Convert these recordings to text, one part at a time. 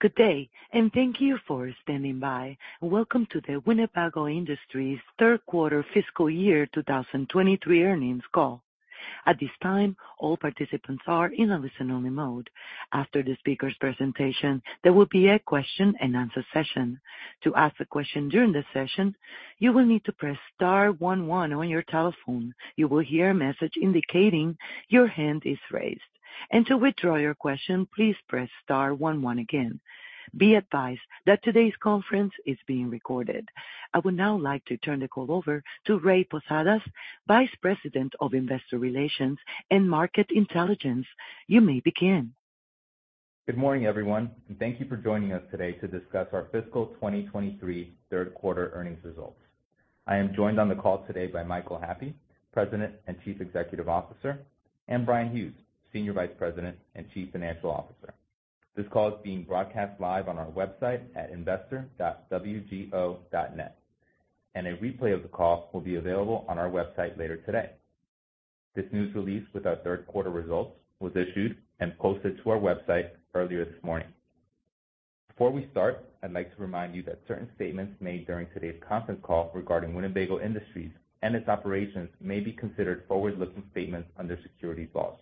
Good day. Thank you for standing by. Welcome to the Winnebago Industries third quarter fiscal year 2023 earnings call. At this time, all participants are in a listen-only mode. After the speaker's presentation, there will be a question-and-answer session. To ask a question during the session, you will need to press star one on your telephone. You will hear a message indicating your hand is raised. To withdraw your question, please press star one again. Be advised that today's conference is being recorded. I would now like to turn the call over to Ray Posadas, Vice President of Investor Relations and Market Intelligence. You may begin. Good morning, everyone, thank you for joining us today to discuss our fiscal 2023 third quarter earnings results. I am joined on the call today by Michael Happe, President and Chief Executive Officer, and Bryan Hughes, Senior Vice President and Chief Financial Officer. This call is being broadcast live on our website at investor.wgo.net. A replay of the call will be available on our website later today. This news release with our third quarter results was issued and posted to our website earlier this morning. Before we start, I'd like to remind you that certain statements made during today's conference call regarding Winnebago Industries and its operations may be considered forward-looking statements under securities laws.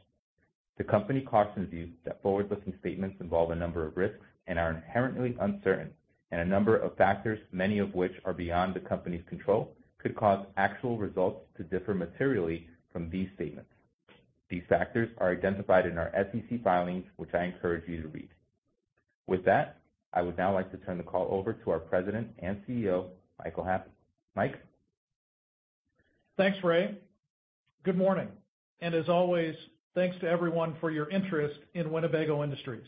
The company cautions you that forward-looking statements involve a number of risks and are inherently uncertain. A number of factors, many of which are beyond the company's control, could cause actual results to differ materially from these statements. These factors are identified in our SEC filings, which I encourage you to read. With that, I would now like to turn the call over to our President and CEO, Michael Happe. Mike? Thanks, Ray. Good morning, as always, thanks to everyone for your interest in Winnebago Industries.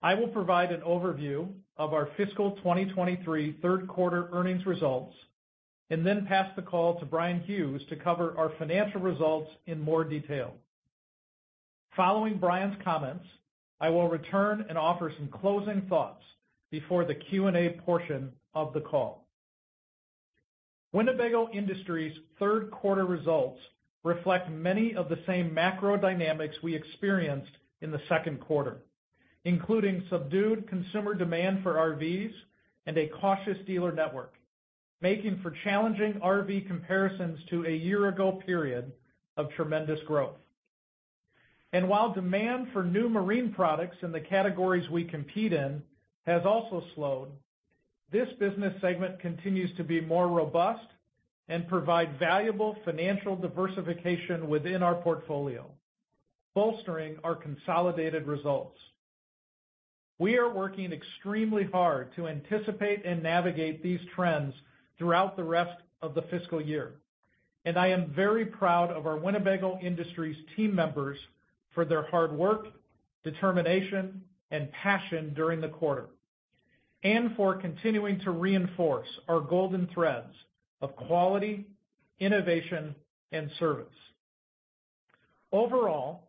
I will provide an overview of our fiscal 2023 third quarter earnings results and then pass the call to Bryan Hughes to cover our financial results in more detail. Following Bryan's comments, I will return and offer some closing thoughts before the Q&A portion of the call. Winnebago Industries' third quarter results reflect many of the same macro dynamics we experienced in the second quarter, including subdued consumer demand for RVs and a cautious dealer network, making for challenging RV comparisons to a year-ago period of tremendous growth. While demand for new marine products in the categories we compete in has also slowed, this business segment continues to be more robust and provide valuable financial diversification within our portfolio, bolstering our consolidated results. We are working extremely hard to anticipate and navigate these trends throughout the rest of the fiscal year, and I am very proud of our Winnebago Industries team members for their hard work, determination, and passion during the quarter, and for continuing to reinforce our golden threads of quality, innovation, and service. Overall,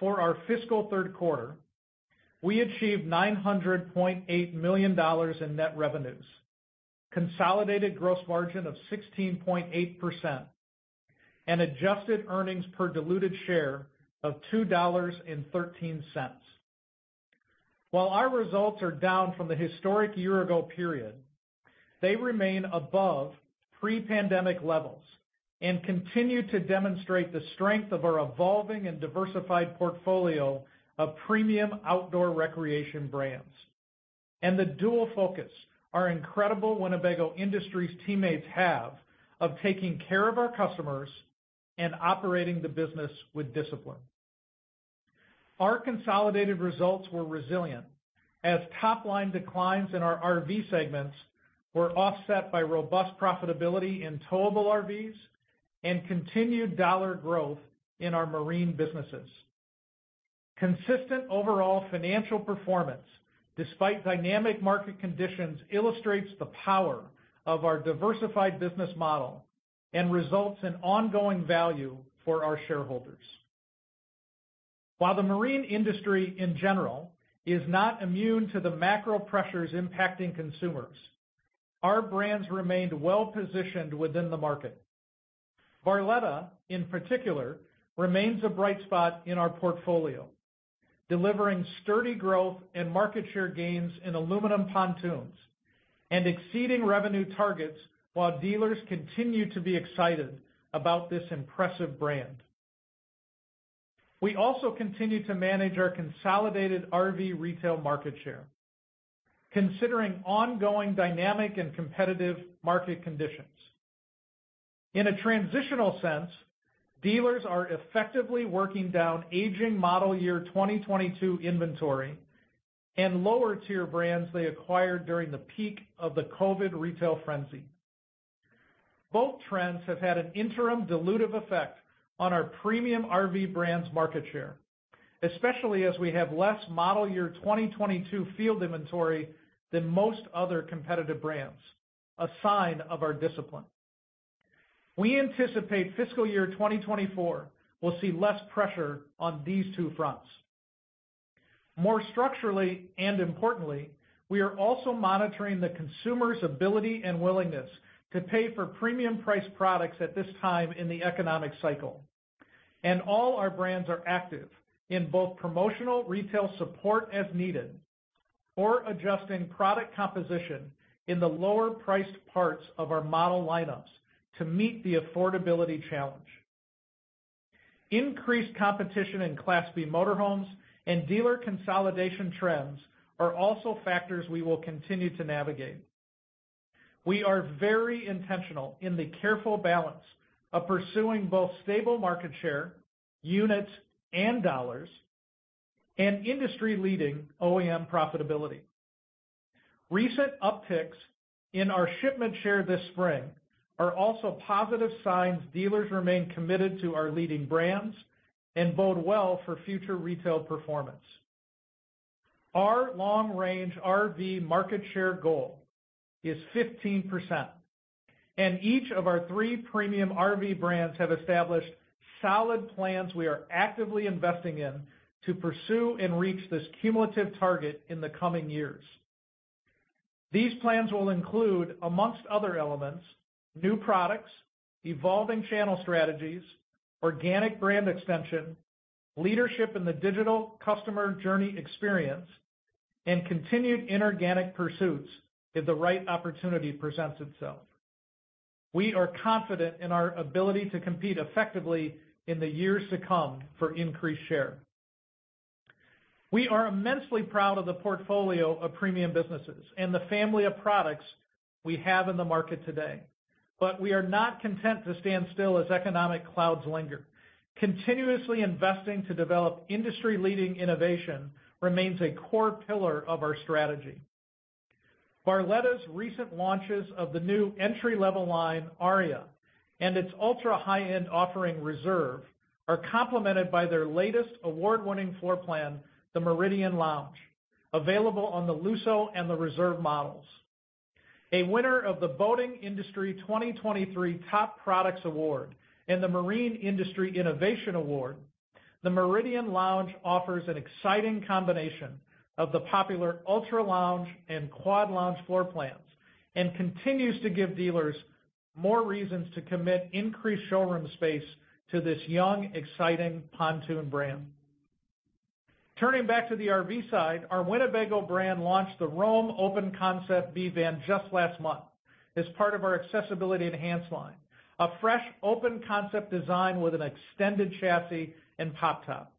for our fiscal third quarter, we achieved $900.8 million in net revenues, consolidated gross margin of 16.8%, and adjusted earnings per diluted share of $2.13. While our results are down from the historic year-ago period, they remain above pre-pandemic levels and continue to demonstrate the strength of our evolving and diversified portfolio of premium outdoor recreation brands and the dual focus our incredible Winnebago Industries teammates have of taking care of our customers and operating the business with discipline. Our consolidated results were resilient as top-line declines in our RV segments were offset by robust profitability in towable RVs and continued dollar growth in our marine businesses. Consistent overall financial performance, despite dynamic market conditions, illustrates the power of our diversified business model and results in ongoing value for our shareholders. While the marine industry in general is not immune to the macro pressures impacting consumers, our brands remained well-positioned within the market. Barletta, in particular, remains a bright spot in our portfolio, delivering sturdy growth and market share gains in aluminum pontoons and exceeding revenue targets, while dealers continue to be excited about this impressive brand. We also continue to manage our consolidated RV retail market share, considering ongoing dynamic and competitive market conditions. In a transitional sense, dealers are effectively working down aging model year 2022 inventory and lower-tier brands they acquired during the peak of the COVID retail frenzy. Both trends have had an interim dilutive effect on our premium RV brands market share, especially as we have less model year 2022 field inventory than most other competitive brands, a sign of our discipline. We anticipate fiscal year 2024 will see less pressure on these two fronts. More structurally and importantly, we are also monitoring the consumer's ability and willingness to pay for premium-priced products at this time in the economic cycle. All our brands are active in both promotional retail support as needed or adjusting product composition in the lower-priced parts of our model lineups to meet the affordability challenge. Increased competition in Class B motorhomes and dealer consolidation trends are also factors we will continue to navigate. We are very intentional in the careful balance of pursuing both stable market share, units, and dollars, and industry-leading OEM profitability. Recent upticks in our shipment share this spring are also positive signs dealers remain committed to our leading brands and bode well for future retail performance. Our long-range RV market share goal is 15%, and each of our three premium RV brands have established solid plans we are actively investing in to pursue and reach this cumulative target in the coming years. These plans will include, amongst other elements, new products, evolving channel strategies, organic brand extension, leadership in the digital customer journey experience, and continued inorganic pursuits if the right opportunity presents itself. We are confident in our ability to compete effectively in the years to come for increased share. We are immensely proud of the portfolio of premium businesses and the family of products we have in the market today, but we are not content to stand still as economic clouds linger. Continuously investing to develop industry-leading innovation remains a core pillar of our strategy. Barletta's recent launches of the new entry-level line, Aria, and its ultra-high-end offering, Reserve, are complemented by their latest award-winning floor plan, the Meridian Lounge, available on the Lusso and the Reserve models. A winner of the Boating Industry 2023 Top Products Award and the Marine Industry Innovation Award, the Meridian Lounge offers an exciting combination of the popular Ultra Lounge and Quad Lounge floor plans and continues to give dealers more reasons to commit increased showroom space to this young, exciting pontoon brand. Turning back to the RV side, our Winnebago brand launched the Roam Open Concept B van just last month as part of our Accessibility Enhanced line, a fresh, open concept design with an extended chassis and pop top.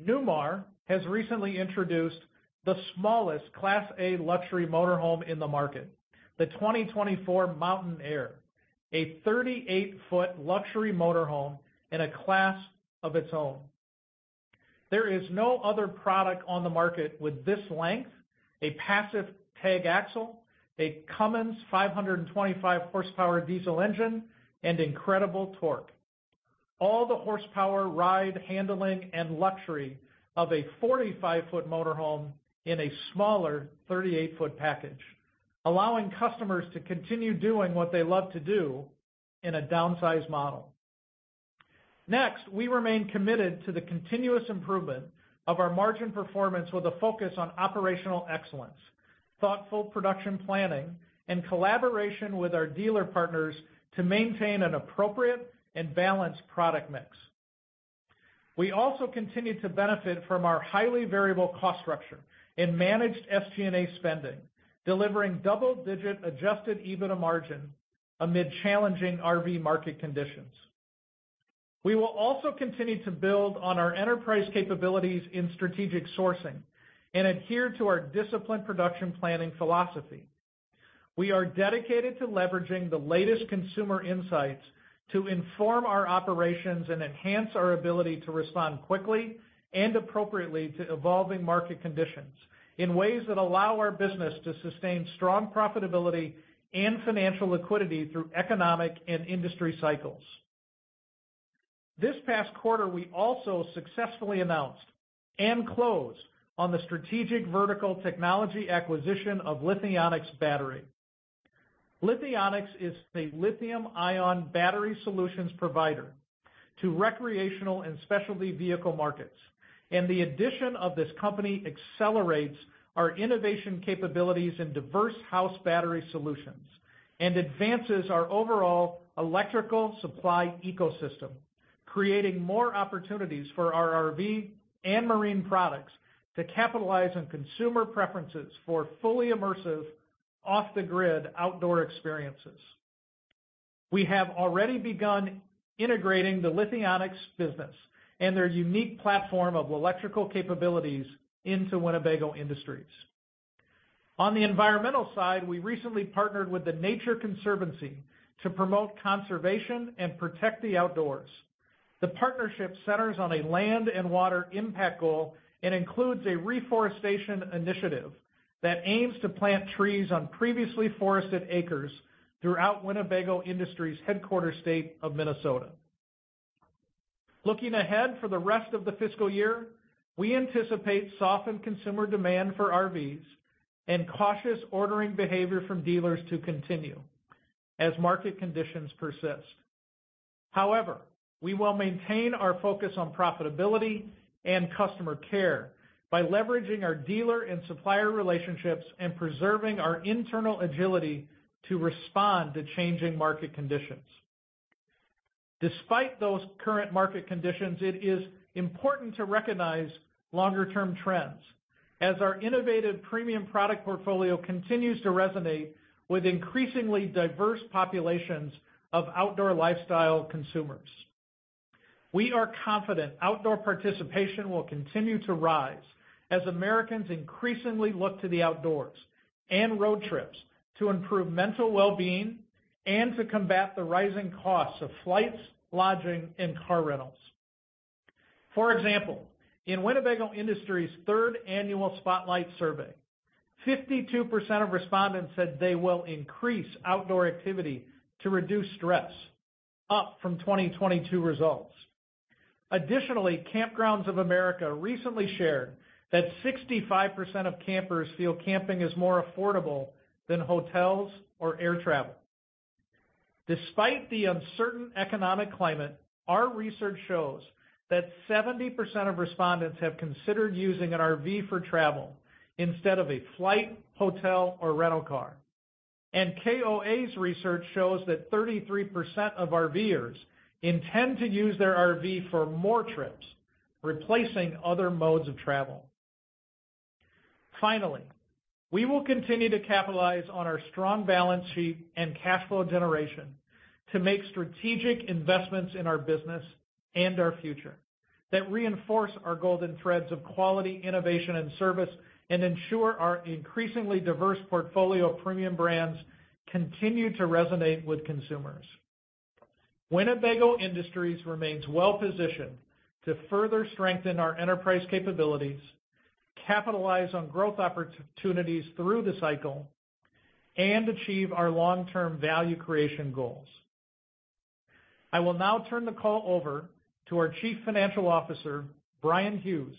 Newmar has recently introduced the smallest Class A luxury motor home in the market, the 2024 Mountain Aire, a 38-foot luxury motor home in a class of its own. There is no other product on the market with this length, a passive tag axle, a Cummins 525 horsepower diesel engine, and incredible torque. All the horsepower, ride, handling, and luxury of a 45-foot motor home in a smaller 38-foot package, allowing customers to continue doing what they love to do in a downsized model. Next, we remain committed to the continuous improvement of our margin performance with a focus on operational excellence, thoughtful production planning, and collaboration with our dealer partners to maintain an appropriate and balanced product mix. We also continue to benefit from our highly variable cost structure and managed SG&A spending, delivering double-digit adjusted EBITDA margin amid challenging RV market conditions. We will also continue to build on our enterprise capabilities in strategic sourcing and adhere to our disciplined production planning philosophy. We are dedicated to leveraging the latest consumer insights to inform our operations and enhance our ability to respond quickly and appropriately to evolving market conditions in ways that allow our business to sustain strong profitability and financial liquidity through economic and industry cycles. This past quarter, we also successfully announced and closed on the strategic vertical technology acquisition of Lithionics Battery. Lithionics is a lithium-ion battery solutions provider to recreational and specialty vehicle markets, and the addition of this company accelerates our innovation capabilities in diverse house battery solutions and advances our overall electrical supply ecosystem, creating more opportunities for our RV and marine products to capitalize on consumer preferences for fully immersive, off-the-grid outdoor experiences. We have already begun integrating the Lithionics business and their unique platform of electrical capabilities into Winnebago Industries. On the environmental side, we recently partnered with The Nature Conservancy to promote conservation and protect the outdoors. The partnership centers on a land and water impact goal and includes a reforestation initiative that aims to plant trees on previously forested acres throughout Winnebago Industries' headquarter state of Minnesota. Looking ahead for the rest of the fiscal year, we anticipate softened consumer demand for RVs and cautious ordering behavior from dealers to continue as market conditions persist. However, we will maintain our focus on profitability and customer care by leveraging our dealer and supplier relationships and preserving our internal agility to respond to changing market conditions. Despite those current market conditions, it is important to recognize longer-term trends as our innovative premium product portfolio continues to resonate with increasingly diverse populations of outdoor lifestyle consumers. We are confident outdoor participation will continue to rise as Americans increasingly look to the outdoors and road trips to improve mental well-being and to combat the rising costs of flights, lodging, and car rentals. For example, in Winnebago Industries' third annual Spotlight survey, 52% of respondents said they will increase outdoor activity to reduce stress, up from 2022 results. Additionally, Kampgrounds of America recently shared that 65% of campers feel camping is more affordable than hotels or air travel. Despite the uncertain economic climate, our research shows that 70% of respondents have considered using an RV for travel instead of a flight, hotel, or rental car. KOA's research shows that 33% of RVers intend to use their RV for more trips, replacing other modes of travel. Finally, we will continue to capitalize on our strong balance sheet and cash flow generation to make strategic investments in our business and our future, that reinforce our golden threads of quality, innovation, and service, and ensure our increasingly diverse portfolio of premium brands continue to resonate with consumers. Winnebago Industries remains well-positioned to further strengthen our enterprise capabilities, capitalize on growth opportunities through the cycle, and achieve our long-term value creation goals. I will now turn the call over to our Chief Financial Officer, Bryan Hughes,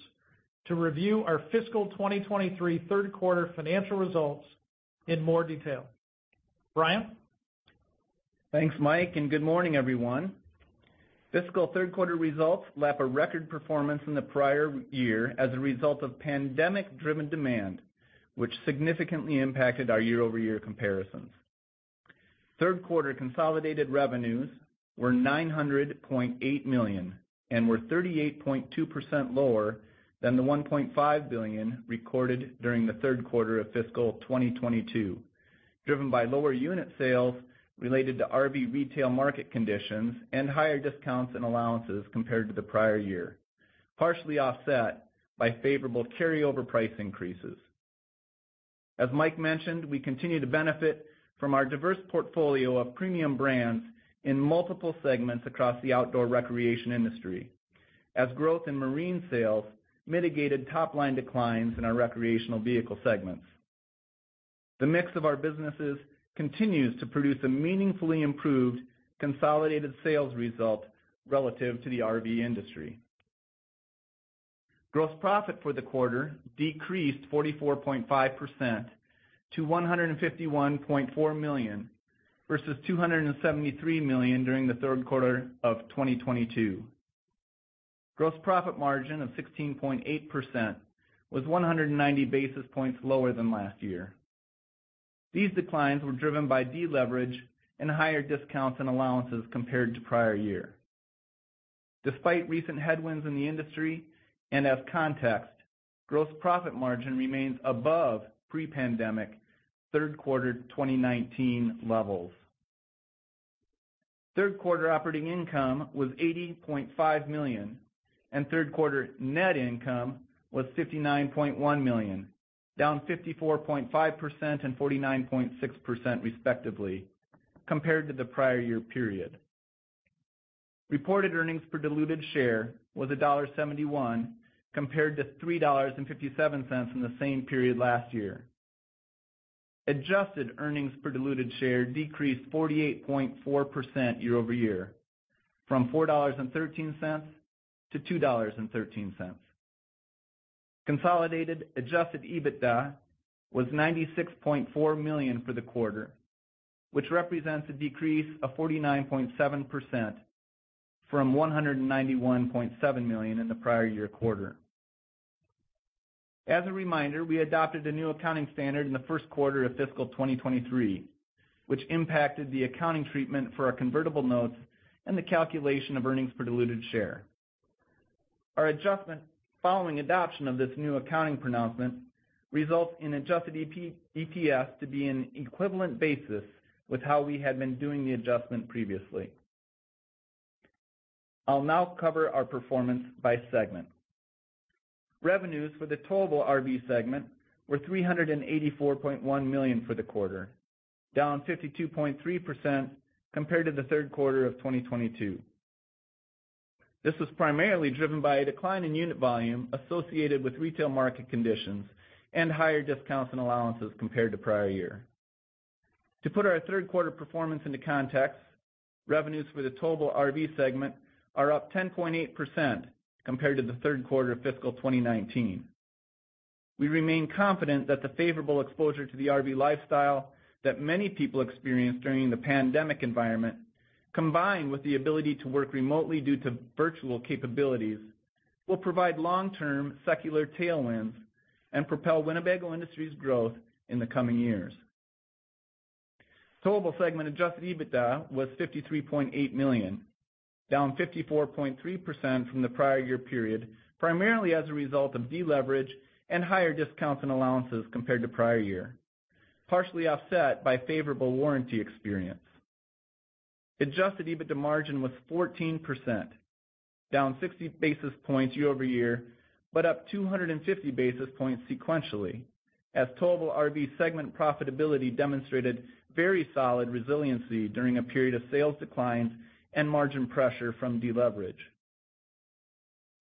to review our fiscal 2023 third quarter financial results in more detail. Bryan? Thanks, Michael, and good morning, everyone. Fiscal third quarter results lap a record performance in the prior year as a result of pandemic-driven demand, which significantly impacted our year-over-year comparisons. Third quarter consolidated revenues were $900.8 million, and were 38.2% lower than the $1.5 billion recorded during the third quarter of fiscal 2022, driven by lower unit sales related to RV retail market conditions and higher discounts and allowances compared to the prior year, partially offset by favorable carryover price increases. As Michael mentioned, we continue to benefit from our diverse portfolio of premium brands in multiple segments across the outdoor recreation industry, as growth in marine sales mitigated top-line declines in our recreational vehicle segments. The mix of our businesses continues to produce a meaningfully improved consolidated sales result relative to the RV industry. Gross profit for the quarter decreased 44.5% to $151.4 million, versus $273 million during the third quarter of 2022. Gross profit margin of 16.8% was 190 basis points lower than last year. These declines were driven by deleverage and higher discounts and allowances compared to prior year. Despite recent headwinds in the industry, as context, gross profit margin remains above pre-pandemic third quarter 2019 levels. Third quarter operating income was $80.5 million, third quarter net income was $59.1 million, down 54.5% and 49.6% respectively, compared to the prior year period. Reported earnings per diluted share was $1.71, compared to $3.57 in the same period last year. Adjusted earnings per diluted share decreased 48.4% year-over-year, from $4.13 to $2.13. Consolidated adjusted EBITDA was $96.4 million for the quarter, which represents a decrease of 49.7% from $191.7 million in the prior year quarter. As a reminder, we adopted a new accounting standard in the 1st quarter of fiscal 2023, which impacted the accounting treatment for our convertible notes and the calculation of earnings per diluted share. Our adjustment following adoption of this new accounting pronouncement results in adjusted EPS to be an equivalent basis with how we had been doing the adjustment previously. I'll now cover our performance by segment. Revenues for the towable RV segment were $384.1 million for the quarter, down 52.3% compared to the third quarter of 2022. This was primarily driven by a decline in unit volume associated with retail market conditions and higher discounts and allowances compared to prior year. To put our third quarter performance into context, revenues for the towable RV segment are up 10.8% compared to the third quarter of fiscal 2019. We remain confident that the favorable exposure to the RV lifestyle that many people experienced during the pandemic environment, combined with the ability to work remotely due to virtual capabilities, will provide long-term secular tailwinds and propel Winnebago Industries' growth in the coming years.... Towable segment adjusted EBITDA was $53.8 million, down 54.3% from the prior year period, primarily as a result of deleverage and higher discounts and allowances compared to prior year, partially offset by favorable warranty experience. Adjusted EBITDA margin was 14%, down 60 basis points year-over-year, up 250 basis points sequentially, as Towable RV segment profitability demonstrated very solid resiliency during a period of sales decline and margin pressure from deleverage.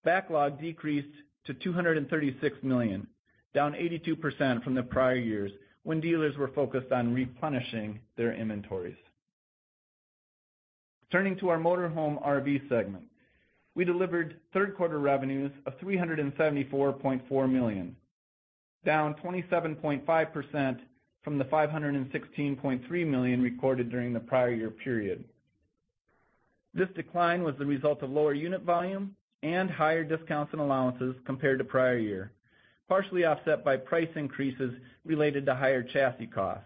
Backlog decreased to $236 million, down 82% from the prior years, when dealers were focused on replenishing their inventories. Turning to our motor home RV segment, we delivered third quarter revenues of $374.4 million, down 27.5% from the $516.3 million recorded during the prior year period. This decline was the result of lower unit volume and higher discounts and allowances compared to prior year, partially offset by price increases related to higher chassis costs.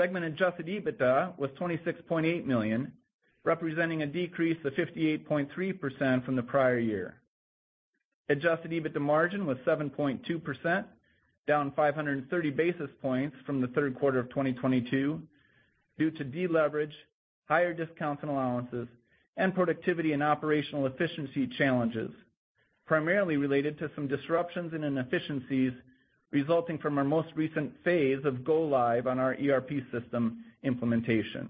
Segment adjusted EBITDA was $26.8 million, representing a decrease of 58.3% from the prior year. Adjusted EBITDA margin was 7.2%, down 530 basis points from the third quarter of 2022 due to deleverage, higher discounts and allowances, and productivity and operational efficiency challenges, primarily related to some disruptions and inefficiencies resulting from our most recent phase of go live on our ERP system implementation.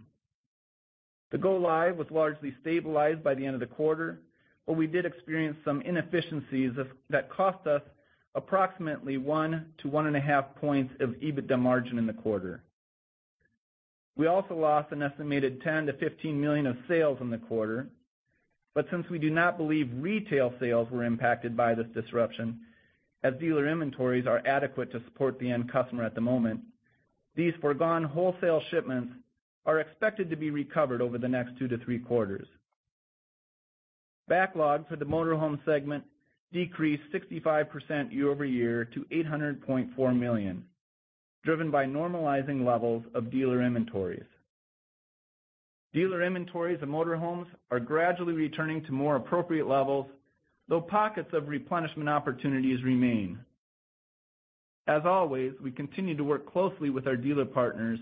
The go live was largely stabilized by the end of the quarter, we did experience some inefficiencies that cost us approximately 1-1.5 points of EBITDA margin in the quarter. We also lost an estimated $10 million-$15 million of sales in the quarter, but since we do not believe retail sales were impacted by this disruption, as dealer inventories are adequate to support the end customer at the moment, these foregone wholesale shipments are expected to be recovered over the next 2-3 quarters. Backlog for the motorhome segment decreased 65% year-over-year to $800.4 million, driven by normalizing levels of dealer inventories. Dealer inventories and motorhomes are gradually returning to more appropriate levels, though pockets of replenishment opportunities remain. As always, we continue to work closely with our dealer partners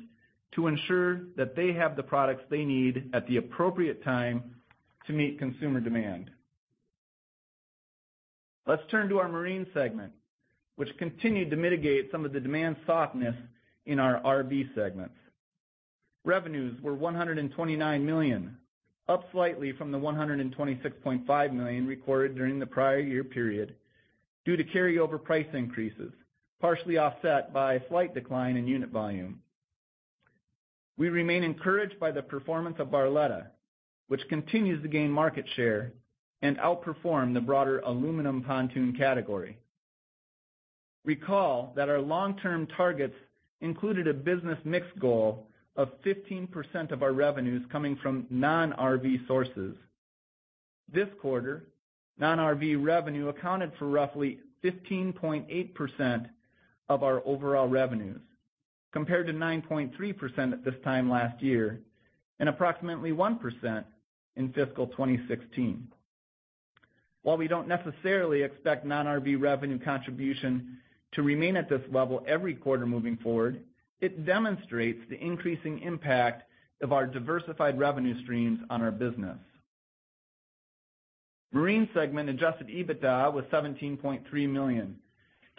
to ensure that they have the products they need at the appropriate time to meet consumer demand. Let's turn to our Marine segment, which continued to mitigate some of the demand softness in our RV segments. Revenues were $129 million, up slightly from the $126.5 million recorded during the prior year period, due to carryover price increases, partially offset by a slight decline in unit volume. We remain encouraged by the performance of Barletta, which continues to gain market share and outperform the broader aluminum pontoon category. Recall that our long-term targets included a business mix goal of 15% of our revenues coming from non-RV sources. This quarter, non-RV revenue accounted for roughly 15.8% of our overall revenues, compared to 9.3% at this time last year, and approximately 1% in fiscal 2016. While we don't necessarily expect non-RV revenue contribution to remain at this level every quarter moving forward, it demonstrates the increasing impact of our diversified revenue streams on our business. Marine segment adjusted EBITDA was $17.3 million,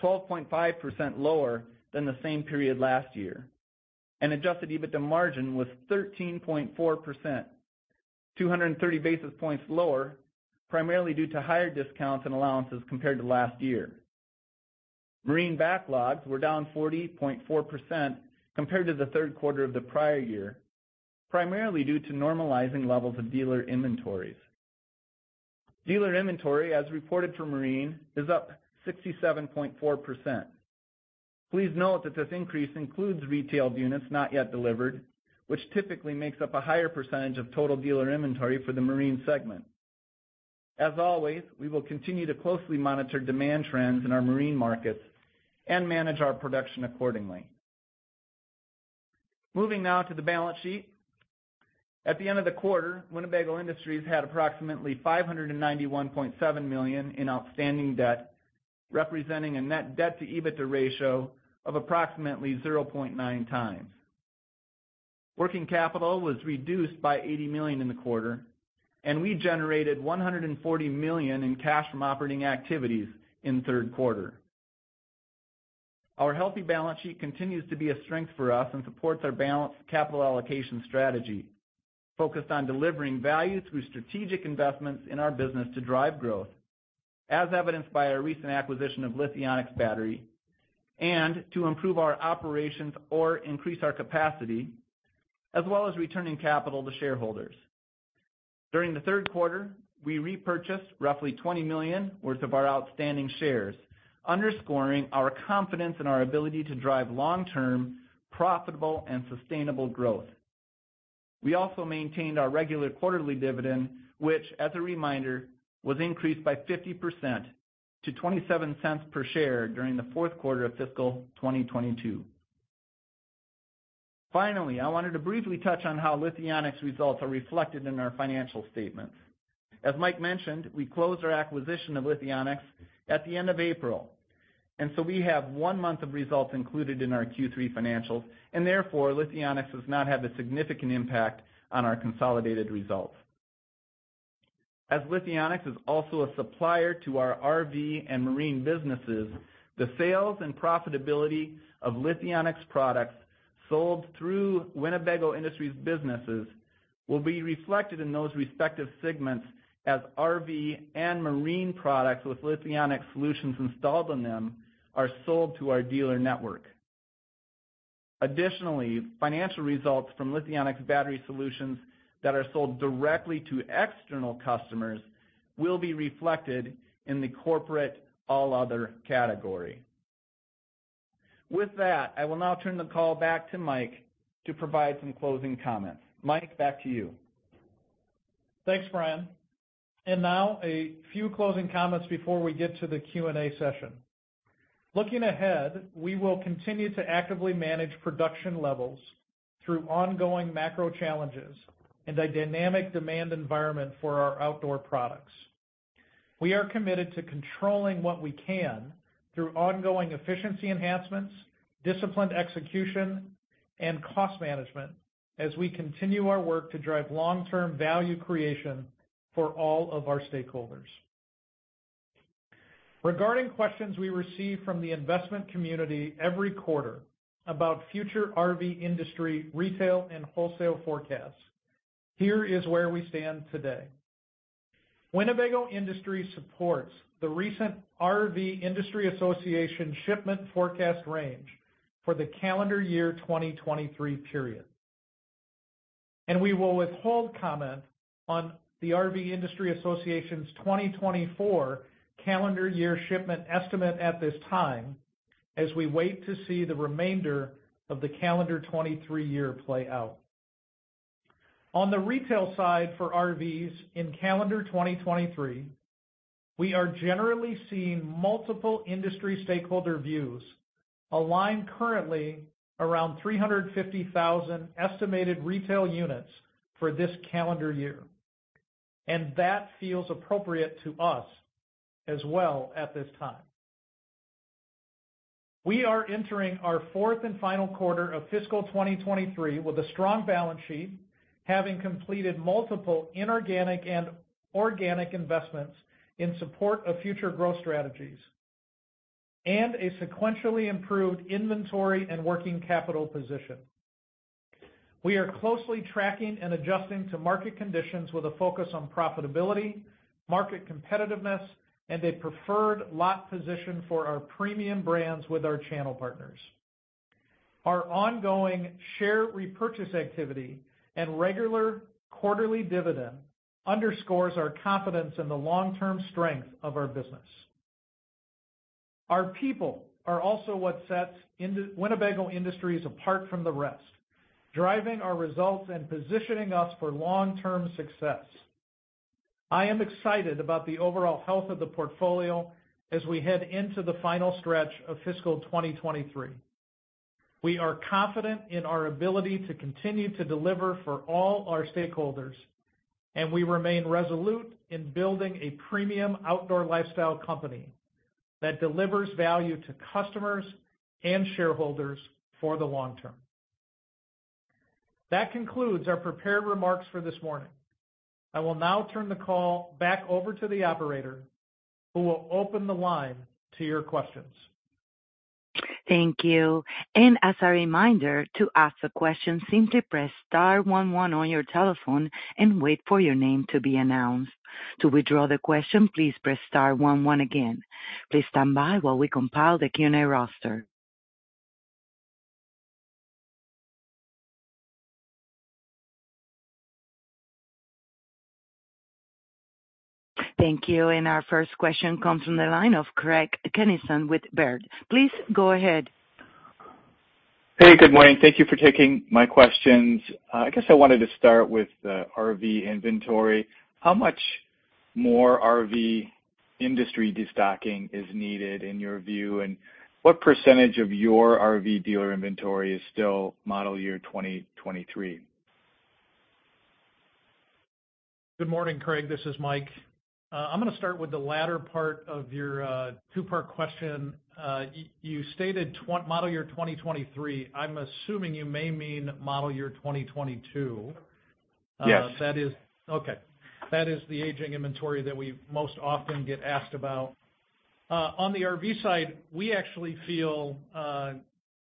12.5% lower than the same period last year, and adjusted EBITDA margin was 13.4%, 230 basis points lower, primarily due to higher discounts and allowances compared to last year. Marine backlogs were down 40.4% compared to the third quarter of the prior year, primarily due to normalizing levels of dealer inventories. Dealer inventory, as reported for Marine, is up 67.4%. Please note that this increase includes retailed units, not yet delivered, which typically makes up a higher percentage of total dealer inventory for the Marine segment. As always, we will continue to closely monitor demand trends in our Marine markets and manage our production accordingly. Moving now to the balance sheet. At the end of the quarter, Winnebago Industries had approximately $591.7 million in outstanding debt, representing a net debt to EBITDA ratio of approximately 0.9 times. Working capital was reduced by $80 million in the quarter, and we generated $140 million in cash from operating activities in the third quarter. Our healthy balance sheet continues to be a strength for us and supports our balanced capital allocation strategy, focused on delivering value through strategic investments in our business to drive growth, as evidenced by our recent acquisition of Lithionics Battery, and to improve our operations or increase our capacity, as well as returning capital to shareholders. During the third quarter, we repurchased roughly $20 million worth of our outstanding shares, underscoring our confidence in our ability to drive long-term, profitable, and sustainable growth. We also maintained our regular quarterly dividend, which, as a reminder, was increased by 50% to $0.27 per share during the fourth quarter of fiscal 2022. Finally, I wanted to briefly touch on how Lithionics results are reflected in our financial statements. As Mike mentioned, we closed our acquisition of Lithionics at the end of April. We have 1 month of results included in our Q3 financials. Lithionics does not have a significant impact on our consolidated results. As Lithionics is also a supplier to our RV and marine businesses, the sales and profitability of Lithionics products sold through Winnebago Industries businesses will be reflected in those respective segments as RV and marine products with Lithionics solutions installed on them are sold to our dealer network. Additionally, financial results from Lithionics battery solutions that are sold directly to external customers will be reflected in the corporate all other category. With that, I will now turn the call back to Mike to provide some closing comments. Mike, back to you. Thanks, Bryan. Now a few closing comments before we get to the Q&A session. Looking ahead, we will continue to actively manage production levels through ongoing macro challenges and a dynamic demand environment for our outdoor products. We are committed to controlling what we can through ongoing efficiency enhancements, disciplined execution, and cost management as we continue our work to drive long-term value creation for all of our stakeholders. Regarding questions we receive from the investment community every quarter about future RV industry, retail, and wholesale forecasts, here is where we stand today. Winnebago Industries supports the recent RV Industry Association shipment forecast range for the calendar year 2023 period. We will withhold comment on the RV Industry Association's 2024 calendar year shipment estimate at this time, as we wait to see the remainder of the calendar 23 year play out. On the retail side for RVs in calendar 2023, we are generally seeing multiple industry stakeholder views align currently around 350,000 estimated retail units for this calendar year, and that feels appropriate to us as well at this time. We are entering our fourth and final quarter of fiscal 2023 with a strong balance sheet, having completed multiple inorganic and organic investments in support of future growth strategies and a sequentially improved inventory and working capital position. We are closely tracking and adjusting to market conditions with a focus on profitability, market competitiveness, and a preferred lot position for our premium brands with our channel partners. Our ongoing share repurchase activity and regular quarterly dividend underscores our confidence in the long-term strength of our business. Our people are also what sets Winnebago Industries apart from the rest, driving our results and positioning us for long-term success. I am excited about the overall health of the portfolio as we head into the final stretch of fiscal 2023. We are confident in our ability to continue to deliver for all our stakeholders. We remain resolute in building a premium outdoor lifestyle company that delivers value to customers and shareholders for the long term. That concludes our prepared remarks for this morning. I will now turn the call back over to the operator, who will open the line to your questions. Thank you. As a reminder, to ask a question, simply press star 11 on your telephone and wait for your name to be announced. To withdraw the question, please press star 11 again. Please stand by while we compile the Q&A roster. Thank you. Our first question comes from the line of Craig Kennison with Baird. Please go ahead. Hey, good morning. Thank you for taking my questions. I guess I wanted to start with the RV inventory. How much more RV industry destocking is needed in your view, and what % of your RV dealer inventory is still model year 2023? Good morning, Craig. This is Mike. I'm going to start with the latter part of your two-part question. You stated model year 2023. I'm assuming you may mean model year 2022. Yes. Okay. That is the aging inventory that we most often get asked about. On the RV side, we actually feel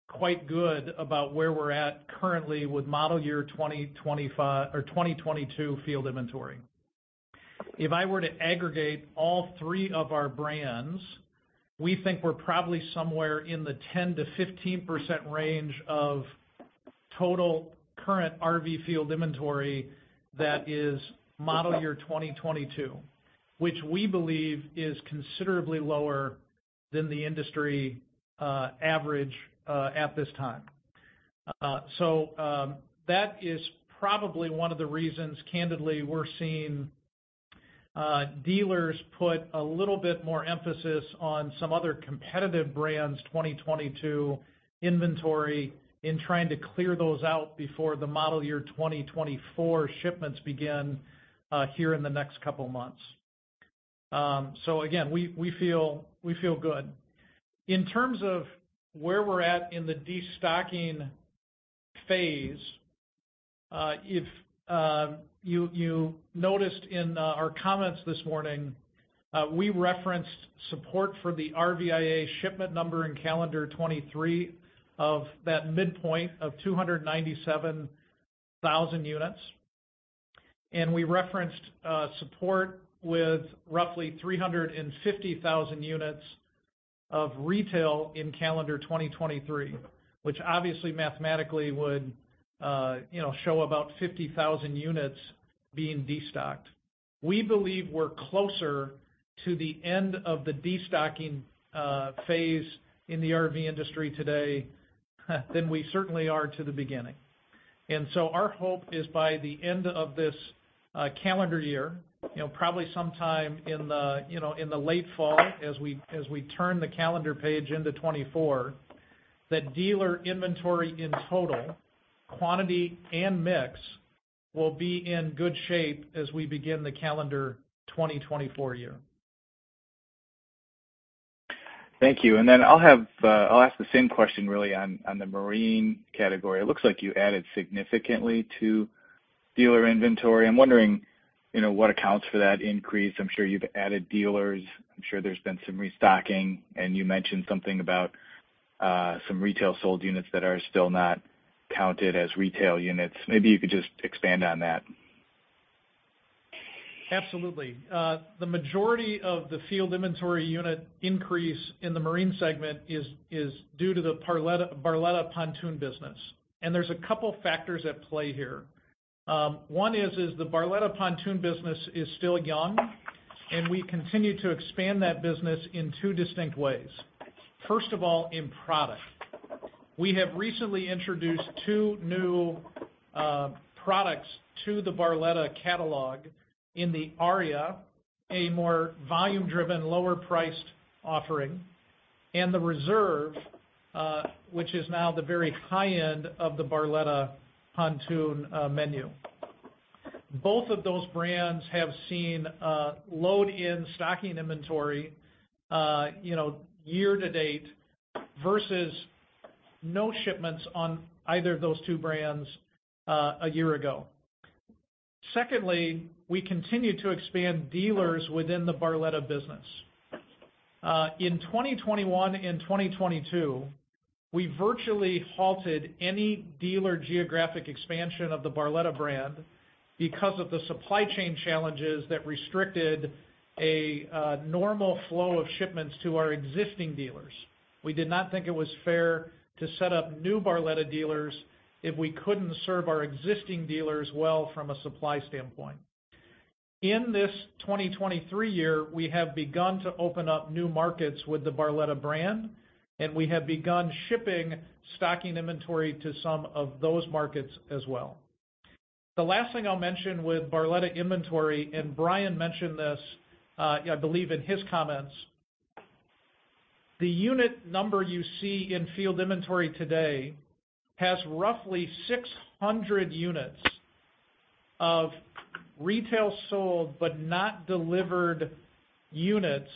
quite good about where we're at currently with model year 2022 field inventory. If I were to aggregate all three of our brands, we think we're probably somewhere in the 10%-15% range of total current RV field inventory that is model year 2022, which we believe is considerably lower than the industry average at this time. That is probably one of the reasons, candidly, we're seeing dealers put a little bit more emphasis on some other competitive brands' 2022 inventory, in trying to clear those out before the model year 2024 shipments begin here in the next couple of months. Again, we feel good. In terms of where we're at in the destocking phase, if you noticed in our comments this morning, we referenced support for the RVIA shipment number in calendar 2023, of that midpoint of 297,000 units. We referenced support with roughly 350,000 units of retail in calendar 2023, which obviously mathematically would, you know, show about 50,000 units being destocked. We believe we're closer to the end of the destocking phase in the RV industry today, than we certainly are to the beginning. Our hope is by the end of this calendar year, you know, probably sometime in the, you know, in the late fall, as we, as we turn the calendar page into 2024, that dealer inventory in total, quantity and mix, will be in good shape as we begin the calendar 2024 year. Thank you. Then I'll have, I'll ask the same question really on the marine category. It looks like you added significantly to dealer inventory. I'm wondering, you know, what accounts for that increase? I'm sure you've added dealers, I'm sure there's been some restocking, and you mentioned something about some retail sold units that are still not counted as retail units. Maybe you could just expand on that. Absolutely. The majority of the field inventory unit increase in the marine segment is due to the Barletta pontoon business. There's a couple factors at play here. One is the Barletta pontoon business is still young, and we continue to expand that business in two distinct ways. First of all, in product. We have recently introduced two new products to the Barletta catalog in the Aria, a more volume-driven, lower-priced offering, and the Reserve, which is now the very high end of the Barletta pontoon menu. Both of those brands have seen load in stocking inventory, you know, year to date, versus no shipments on either of those two brands a year ago. Secondly, we continue to expand dealers within the Barletta business. In 2021 and 2022, we virtually halted any dealer geographic expansion of the Barletta brand because of the supply chain challenges that restricted a normal flow of shipments to our existing dealers. We did not think it was fair to set up new Barletta dealers if we couldn't serve our existing dealers well from a supply standpoint. In this 2023 year, we have begun to open up new markets with the Barletta brand, and we have begun shipping stocking inventory to some of those markets as well. The last thing I'll mention with Barletta inventory, and Bryan mentioned this, I believe in his comments. The unit number you see in field inventory today, has roughly 600 units of retail sold, but not delivered units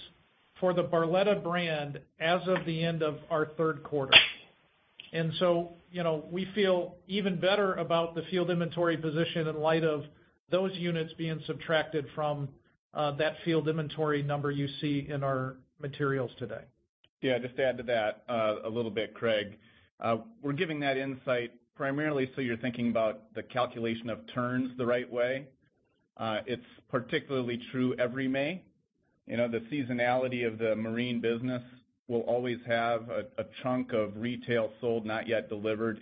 for the Barletta brand as of the end of our 3rd quarter. You know, we feel even better about the field inventory position in light of those units being subtracted from that field inventory number you see in our materials today. Just to add to that a little bit, Craig. We're giving that insight primarily, so you're thinking about the calculation of turns the right way. It's particularly true every May. You know, the seasonality of the marine business will always have a chunk of retail sold, not yet delivered,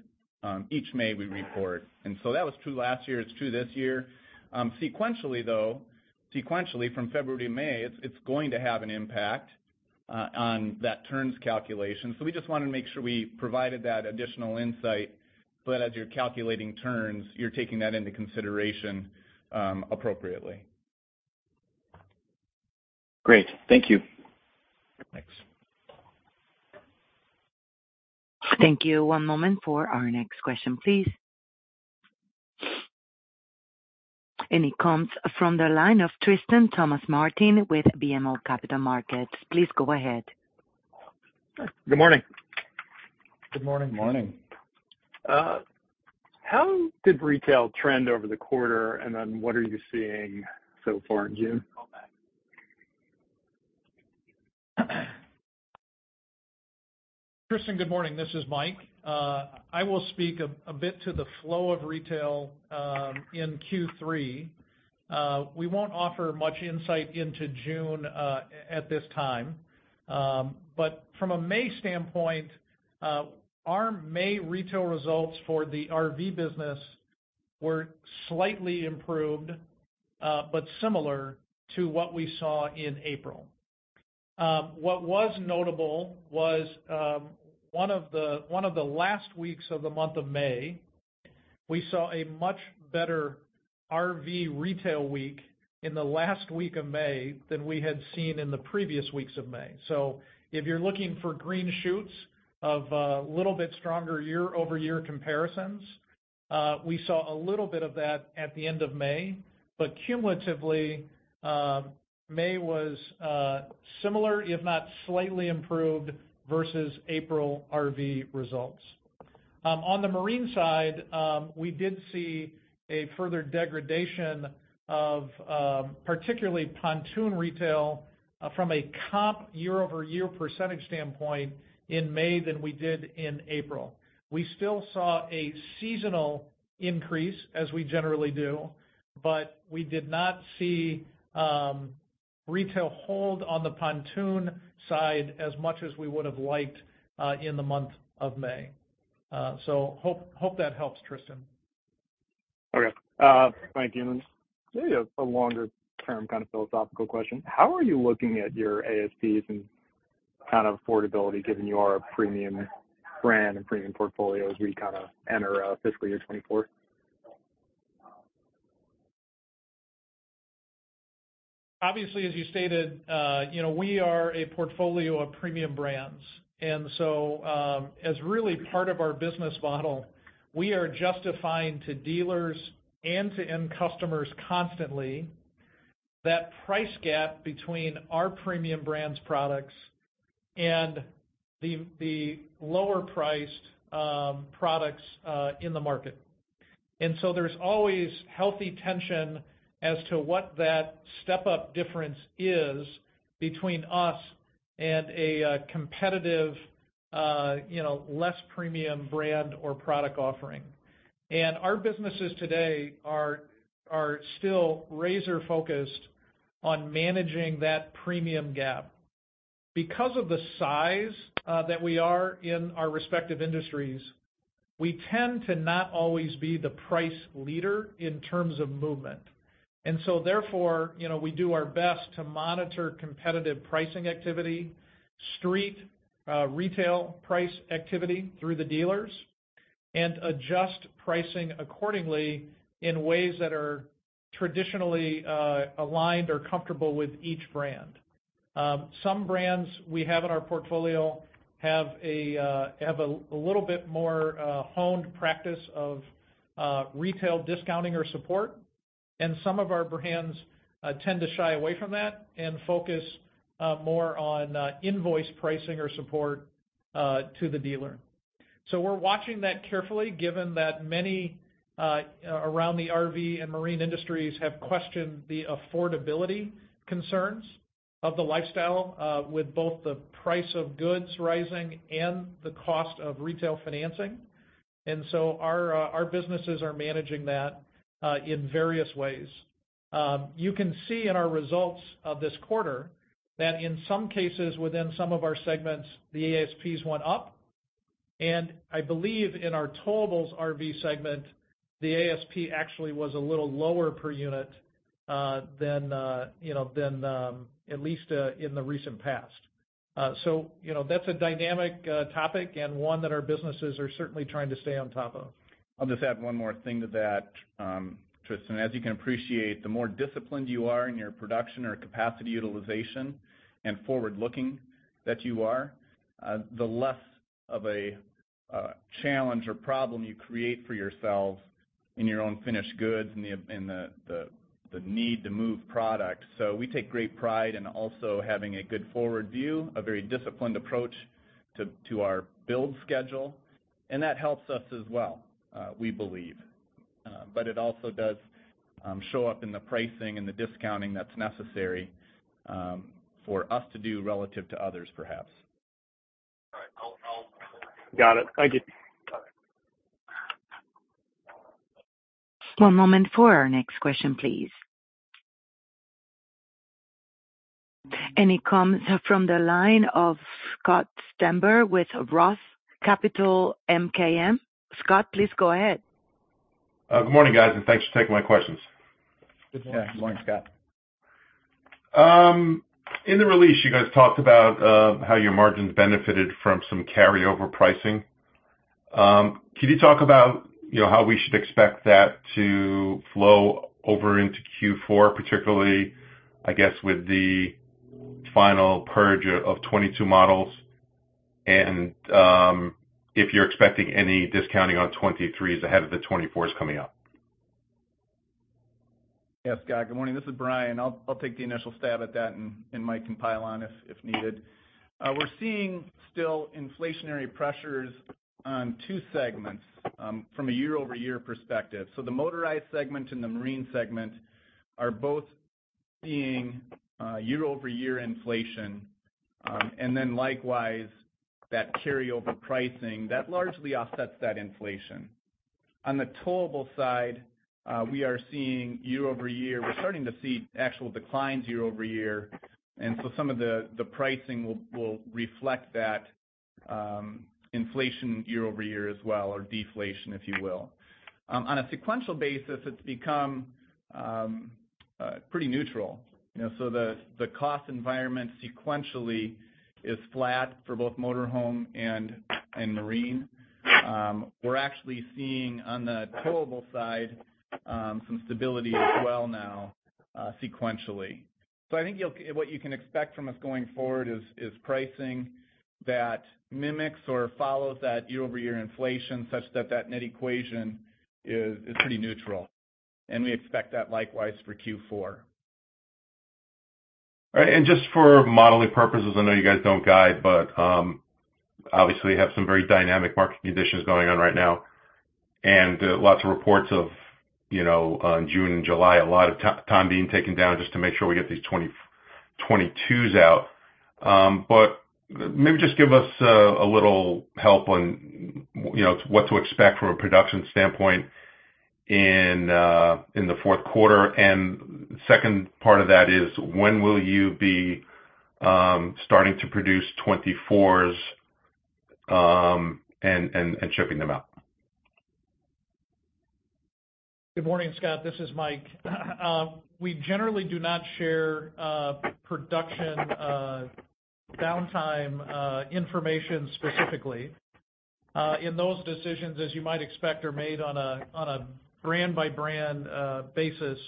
each May we report. That was true last year, it's true this year. Sequentially, though, sequentially from February to May, it's going to have an impact on that turns calculation. We just wanted to make sure we provided that additional insight. As you're calculating turns, you're taking that into consideration appropriately. Great. Thank you. Thanks. Thank you. One moment for our next question, please. It comes from the line of Tristan Thomas-Martin, with BMO Capital Markets. Please go ahead. Good morning. Good morning. Morning. How did retail trend over the quarter? What are you seeing so far in June? Tristan, good morning. This is Mike. I will speak a bit to the flow of retail in Q3. We won't offer much insight into June at this time. From a May standpoint, our May retail results for the RV business were slightly improved, but similar to what we saw in April. What was notable was one of the last weeks of the month of May, we saw a much better RV retail week in the last week of May than we had seen in the previous weeks of May. If you're looking for green shoots of a little bit stronger year-over-year comparisons, we saw a little bit of that at the end of May. Cumulatively, May was similar, if not slightly improved, versus April RV results. On the marine side, we did see a further degradation of, particularly pontoon retail from a comp year-over-year percentage standpoint in May than we did in April. We still saw a seasonal increase, as we generally do, but we did not see retail hold on the pontoon side as much as we would have liked in the month of May. Hope that helps, Tristan. Okay. Thank you. Maybe a longer term kind of philosophical question: How are you looking at your ASPs and kind of affordability, given you are a premium brand and premium portfolio as we kind of enter fiscal year 2024? Obviously, as you stated, you know, we are a portfolio of premium brands. As really part of our business model, we are justifying to dealers and to end customers constantly, that price gap between our premium brands products and the lower priced products in the market. There's always healthy tension as to what that step-up difference is between us and a competitive, you know, less premium brand or product offering. Our businesses today are still razor focused on managing that premium gap. Because of the size that we are in our respective industries, we tend to not always be the price leader in terms of movement. Therefore, you know, we do our best to monitor competitive pricing activity, street, retail price activity through the dealers, and adjust pricing accordingly in ways that are traditionally, aligned or comfortable with each brand. Some brands we have in our portfolio have a, have a little bit more honed practice of retail discounting or support, and some of our brands tend to shy away from that and focus more on invoice pricing or support to the dealer. We're watching that carefully, given that many around the RV and marine industries have questioned the affordability concerns of the lifestyle, with both the price of goods rising and the cost of retail financing. Our businesses are managing that in various ways. You can see in our results of this quarter, that in some cases, within some of our segments, the ASPs went up. I believe in our towables RV segment, the ASP actually was a little lower per unit than, you know, than at least in the recent past. You know, that's a dynamic topic and one that our businesses are certainly trying to stay on top of. I'll just add one more thing to that, Tristan. As you can appreciate, the more disciplined you are in your production or capacity utilization and forward-looking that you are, the less of a challenge or problem you create for yourselves in your own finished goods and the need to move product. We take great pride in also having a good forward view, a very disciplined approach to our build schedule, and that helps us as well, we believe. It also does show up in the pricing and the discounting that's necessary for us to do relative to others, perhaps. All right. I'll Got it. Thank you. One moment for our next question, please. It comes from the line of Scott Stember with ROTH Capital MKM. Scott, please go ahead. Good morning, guys, and thanks for taking my questions. Good morning. Yeah, good morning, Scott. In the release, you guys talked about how your margins benefited from some carryover pricing. Can you talk about, you know, how we should expect that to flow over into Q4, particularly, I guess, with the final purge of 22 models? If you're expecting any discounting on 23s ahead of the 24s coming up? Yes, Scott, good morning. This is Bryan. I'll take the initial stab at that, and Michael can pile on if needed. We're seeing still inflationary pressures on two segments from a year-over-year perspective. The motorized segment and the marine segment are both seeing year-over-year inflation. Likewise, that carryover pricing, that largely offsets that inflation. On the towable side, we're starting to see actual declines year-over-year, and so some of the pricing will reflect that... inflation year-over-year as well, or deflation, if you will. On a sequential basis, it's become pretty neutral. You know, the cost environment sequentially is flat for both motor home and marine. We're actually seeing on the towable side, some stability as well now, sequentially. I think what you can expect from us going forward is pricing that mimics or follows that year-over-year inflation, such that that net equation is pretty neutral. We expect that likewise for Q4. All right. Just for modeling purposes, I know you guys don't guide, but, obviously, you have some very dynamic market conditions going on right now, lots of reports of, you know, June and July, a lot of time being taken down just to make sure we get these 2022s out. Maybe just give us a little help on, you know, what to expect from a production standpoint in the fourth quarter. Second part of that is, when will you be starting to produce 2024s and shipping them out? Good morning, Scott. This is Mike. We generally do not share production downtime information specifically. Those decisions, as you might expect, are made on a brand-by-brand basis.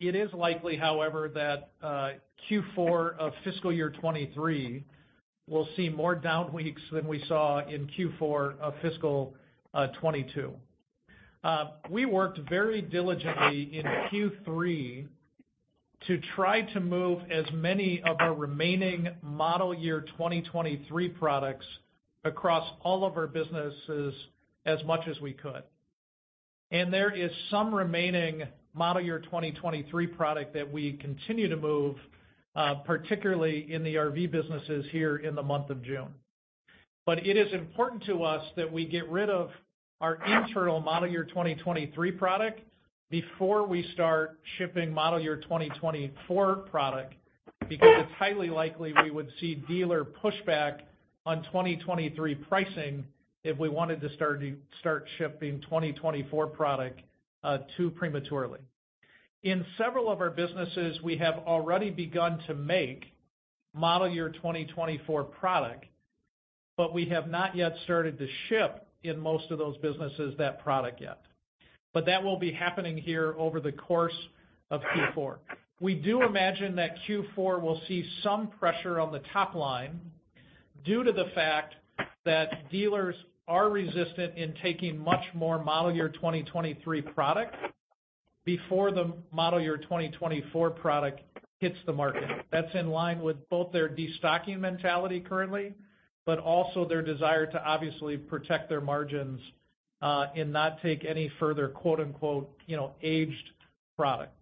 It is likely, however, that Q4 of fiscal year 2023 will see more down weeks than we saw in Q4 of fiscal 2022. We worked very diligently in Q3 to try to move as many of our remaining model year 2023 products across all of our businesses as much as we could. There is some remaining model year 2023 product that we continue to move, particularly in the RV businesses here in the month of June. It is important to us that we get rid of our internal model year 2023 product before we start shipping model year 2024 product, because it's highly likely we would see dealer pushback on 2023 pricing if we wanted to start shipping 2024 product too prematurely. In several of our businesses, we have already begun to make model year 2024 product, but we have not yet started to ship in most of those businesses that product yet. That will be happening here over the course of Q4. We do imagine that Q4 will see some pressure on the top line due to the fact that dealers are resistant in taking much more model year 2023 product before the model year 2024 product hits the market. That's in line with both their destocking mentality currently, but also their desire to obviously protect their margins, and not take any further, quote-unquote, you know, "aged product."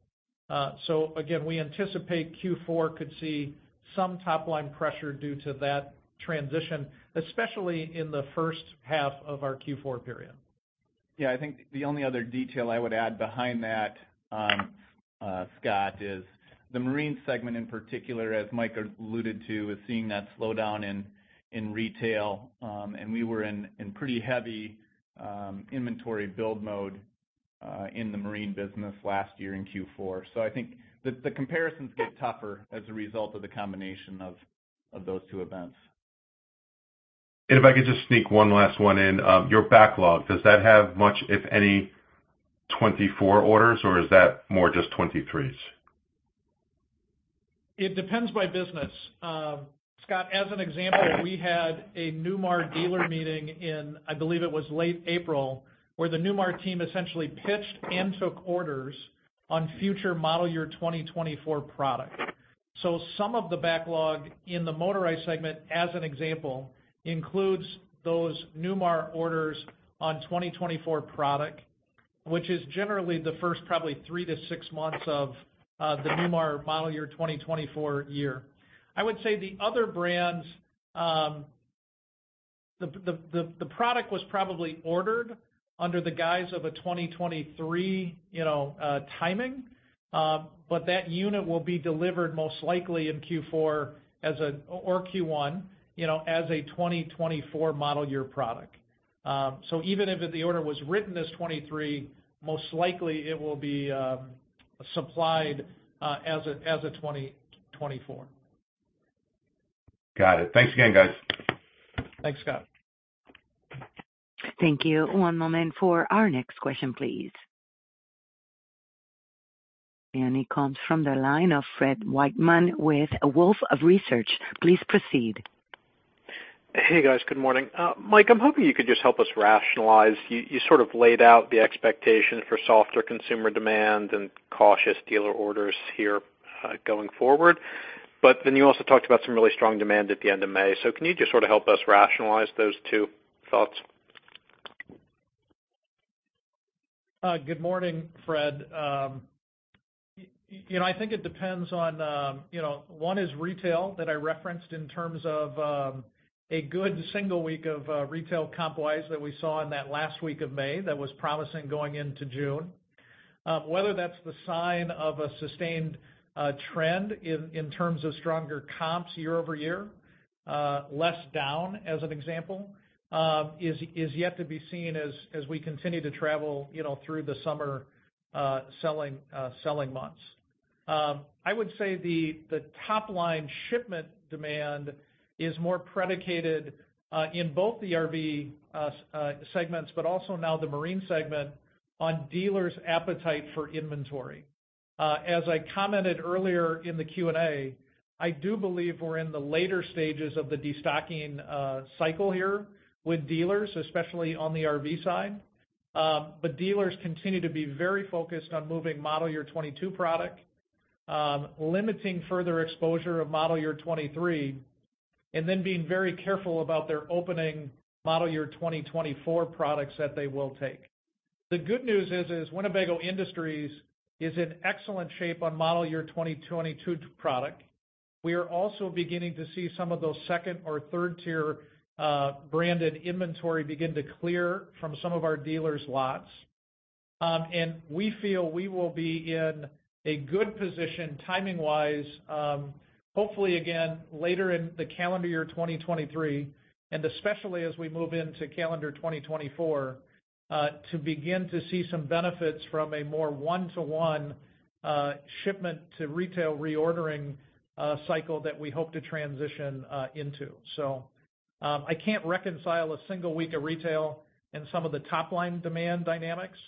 Again, we anticipate Q4 could see some top-line pressure due to that transition, especially in the first half of our Q4 period. Yeah, I think the only other detail I would add behind that, Scott, is the marine segment in particular, as Mike alluded to, is seeing that slowdown in retail. We were in pretty heavy inventory build mode in the marine business last year in Q4. I think the comparisons get tougher as a result of the combination of those two events. If I could just sneak one last one in. Your backlog, does that have much, if any, 2024 orders, or is that more just 2023s? It depends by business. Scott, as an example, we had a Newmar dealer meeting in, I believe it was late April, where the Newmar team essentially pitched and took orders on future model year 2024 products. Some of the backlog in the motorized segment, as an example, includes those Newmar orders on 2024 product, which is generally the first probably 3 to 6 months of the Newmar model year 2024 year. I would say the other brands, the product was probably ordered under the guise of a 2023, you know, timing, but that unit will be delivered most likely in Q4 or Q1, you know, as a 2024 model year product. Even if the order was written as 2023, most likely it will be supplied as a 2024. Got it. Thanks again, guys. Thanks, Scott. Thank you. One moment for our next question, please. It comes from the line of Fred Wightman with Wolfe Research. Please proceed. Hey, guys. Good morning. Mike, I'm hoping you could just help us rationalize. You sort of laid out the expectation for softer consumer demand and cautious dealer orders here going forward, but then you also talked about some really strong demand at the end of May. Can you just sort of help us rationalize those two thoughts? Good morning, Fred, you know, I think it depends on, you know, one is retail that I referenced in terms of a good single week of retail comp-wise that we saw in that last week of May that was promising going into June. Whether that's the sign of a sustained trend in terms of stronger comps year-over-year, less down, as an example, is yet to be seen as we continue to travel, you know, through the summer selling months. I would say the top line shipment demand is more predicated in both the RV segments, but also now the marine segment on dealers' appetite for inventory. As I commented earlier in the Q&A, I do believe we're in the later stages of the destocking cycle here with dealers, especially on the RV side. Dealers continue to be very focused on moving model year 22 product, limiting further exposure of model year 23, and then being very careful about their opening model year 2024 products that they will take. The good news is, Winnebago Industries is in excellent shape on model year 2022 product. We are also beginning to see some of those second or third-tier branded inventory begin to clear from some of our dealers' lots. We feel we will be in a good position, timing-wise, hopefully again, later in the calendar year 2023, and especially as we move into calendar 2024, to begin to see some benefits from a more one-to-one, shipment to retail reordering, cycle that we hope to transition into. I can't reconcile a single week of retail and some of the top-line demand dynamics,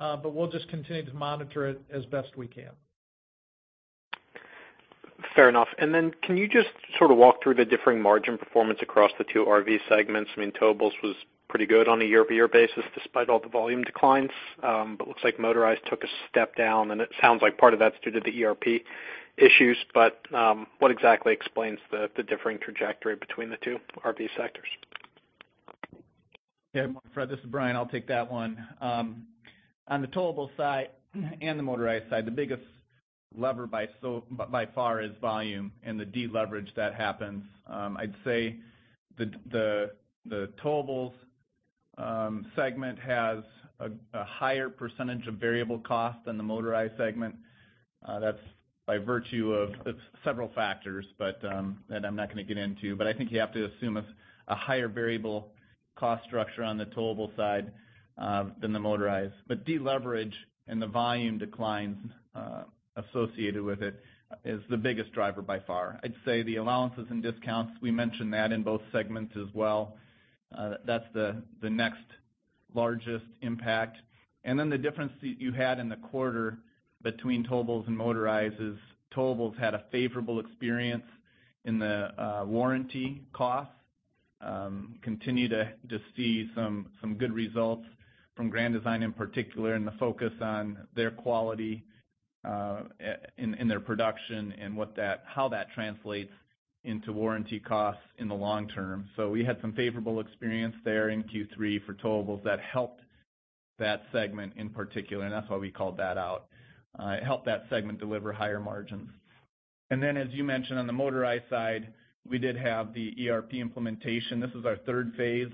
but we'll just continue to monitor it as best we can. Fair enough. Can you just sort of walk through the differing margin performance across the two RV segments? I mean, towables was pretty good on a year-over-year basis, despite all the volume declines. Looks like motorized took a step down, and it sounds like part of that's due to the ERP issues. What exactly explains the differing trajectory between the two RV sectors? Yeah, Fred Wightman, this is Bryan Hughes. I'll take that one. On the towable side and the motorized side, the biggest lever by far is volume and the deleverage that happens. I'd say the towables segment has a higher % of variable cost than the motorized segment. That's by virtue of several factors, but that I'm not going to get into. I think you have to assume a higher variable cost structure on the towable side than the motorized. Deleverage and the volume declines associated with it is the biggest driver by far. I'd say the allowances and discounts, we mentioned that in both segments as well. That's the next largest impact. The difference that you had in the quarter between towables and motorized is towables had a favorable experience in the warranty costs. Continue to see some good results from Grand Design in particular, and the focus on their quality in their production and how that translates into warranty costs in the long term. We had some favorable experience there in Q3 for towables that helped that segment in particular, and that's why we called that out. It helped that segment deliver higher margins. As you mentioned, on the motorized side, we did have the ERP implementation. This is our third phase.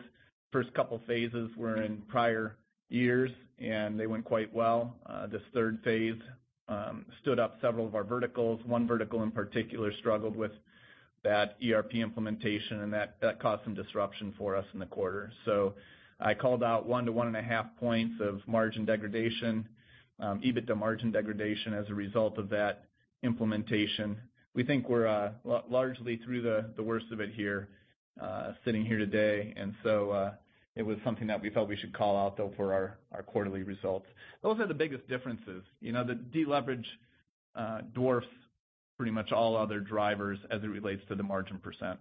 First couple of phases were in prior years, and they went quite well. This third phase stood up several of our verticals. One vertical in particular struggled with that ERP implementation, that caused some disruption for us in the quarter. I called out 1 to 1.5 points of margin degradation, EBITDA margin degradation as a result of that implementation. We think we're largely through the worst of it here, sitting here today. It was something that we felt we should call out, though, for our quarterly results. Those are the biggest differences. You know, the deleverage dwarfs pretty much all other drivers as it relates to the margin %.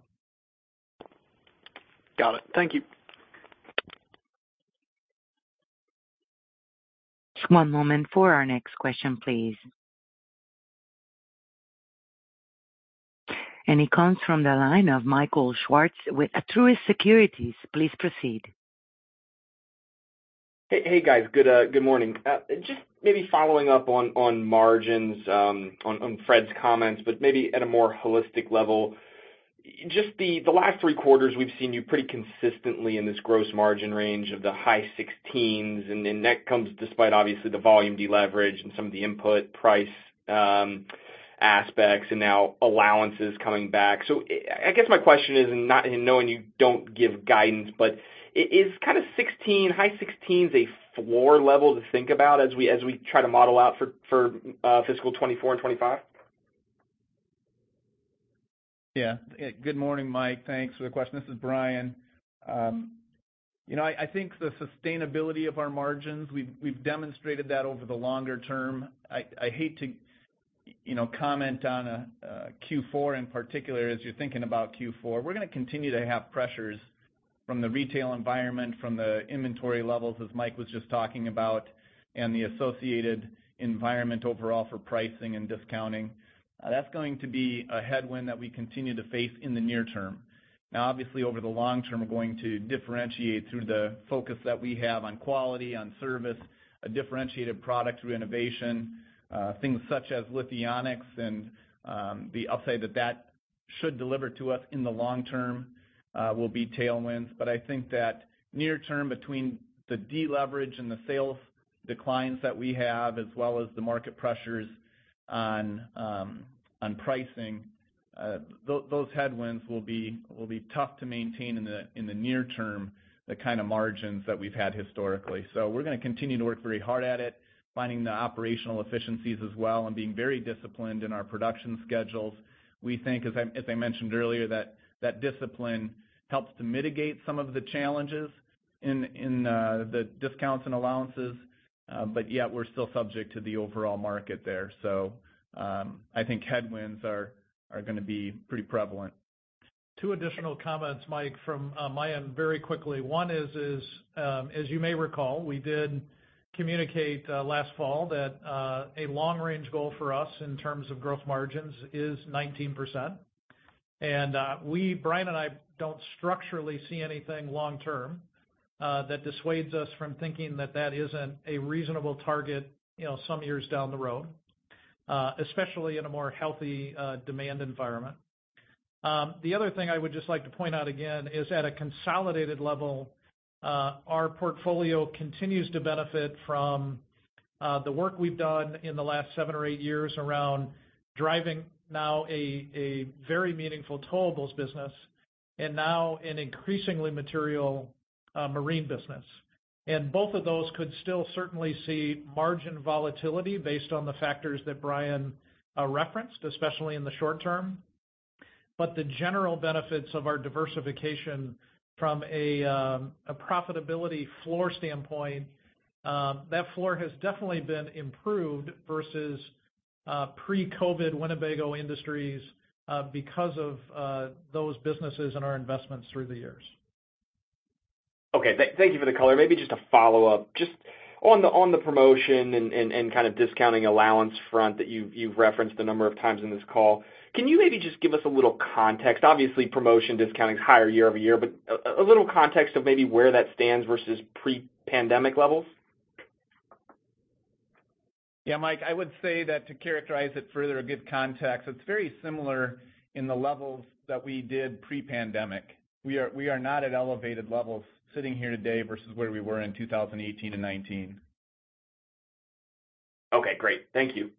Got it. Thank you. One moment for our next question, please. It comes from the line of Michael Swartz with Truist Securities. Please proceed. Hey, guys. Good morning. Just maybe following up on Fred's comments. Maybe at a more holistic level. Just the last 3 quarters, we've seen you pretty consistently in this gross margin range of the high 16s. That comes despite obviously the volume deleverage and some of the input price aspects and now allowances coming back. I guess my question is, knowing you don't give guidance, but is kind of 16, high 16s, a floor level to think about as we try to model out for fiscal 2024 and 2025? Good morning, Mike. Thanks for the question. This is Bryan. you know, I think the sustainability of our margins, we've demonstrated that over the longer term. I hate to, you know, comment on Q4 in particular, as you're thinking about Q4. We're going to continue to have pressures from the retail environment, from the inventory levels, as Mike was just talking about, and the associated environment overall for pricing and discounting. That's going to be a headwind that we continue to face in the near term. Obviously, over the long term, we're going to differentiate through the focus that we have on quality, on service, a differentiated product through innovation, things such as Lithionics and the upside that should deliver to us in the long term will be tailwinds. I think that near term, between the deleverage and the sales declines that we have, as well as the market pressures on pricing, those headwinds will be tough to maintain in the near term, the kind of margins that we've had historically. We're gonna continue to work very hard at it, finding the operational efficiencies as well, and being very disciplined in our production schedules. We think, as I mentioned earlier, that that discipline helps to mitigate some of the challenges in the discounts and allowances, but yet we're still subject to the overall market there. I think headwinds are gonna be pretty prevalent. Two additional comments, Mike, from my end, very quickly. One is, as you may recall, we did communicate last fall that a long-range goal for us in terms of gross margins is 19%. We, Bryan and I, don't structurally see anything long term that dissuades us from thinking that that isn't a reasonable target, you know, some years down the road, especially in a more healthy demand environment. The other thing I would just like to point out again, is at a consolidated level, our portfolio continues to benefit from the work we've done in the last seven or eight years around driving now a very meaningful towables business and now an increasingly material marine business. Both of those could still certainly see margin volatility based on the factors that Bryan referenced, especially in the short term. The general benefits of our diversification from a profitability floor standpoint, that floor has definitely been improved versus pre-COVID Winnebago Industries because of those businesses and our investments through the years. Okay, thank you for the color. Maybe just a follow-up, just on the promotion and kind of discounting allowance front that you've referenced a number of times in this call. Can you maybe just give us a little context? Obviously, promotion discounting is higher year-over-year, but a little context of maybe where that stands versus pre-pandemic levels. Yeah, Mike, I would say that to characterize it further, a good context, it's very similar in the levels that we did pre-pandemic. We are not at elevated levels sitting here today versus where we were in 2018 and 2019. Okay, great. Thank you.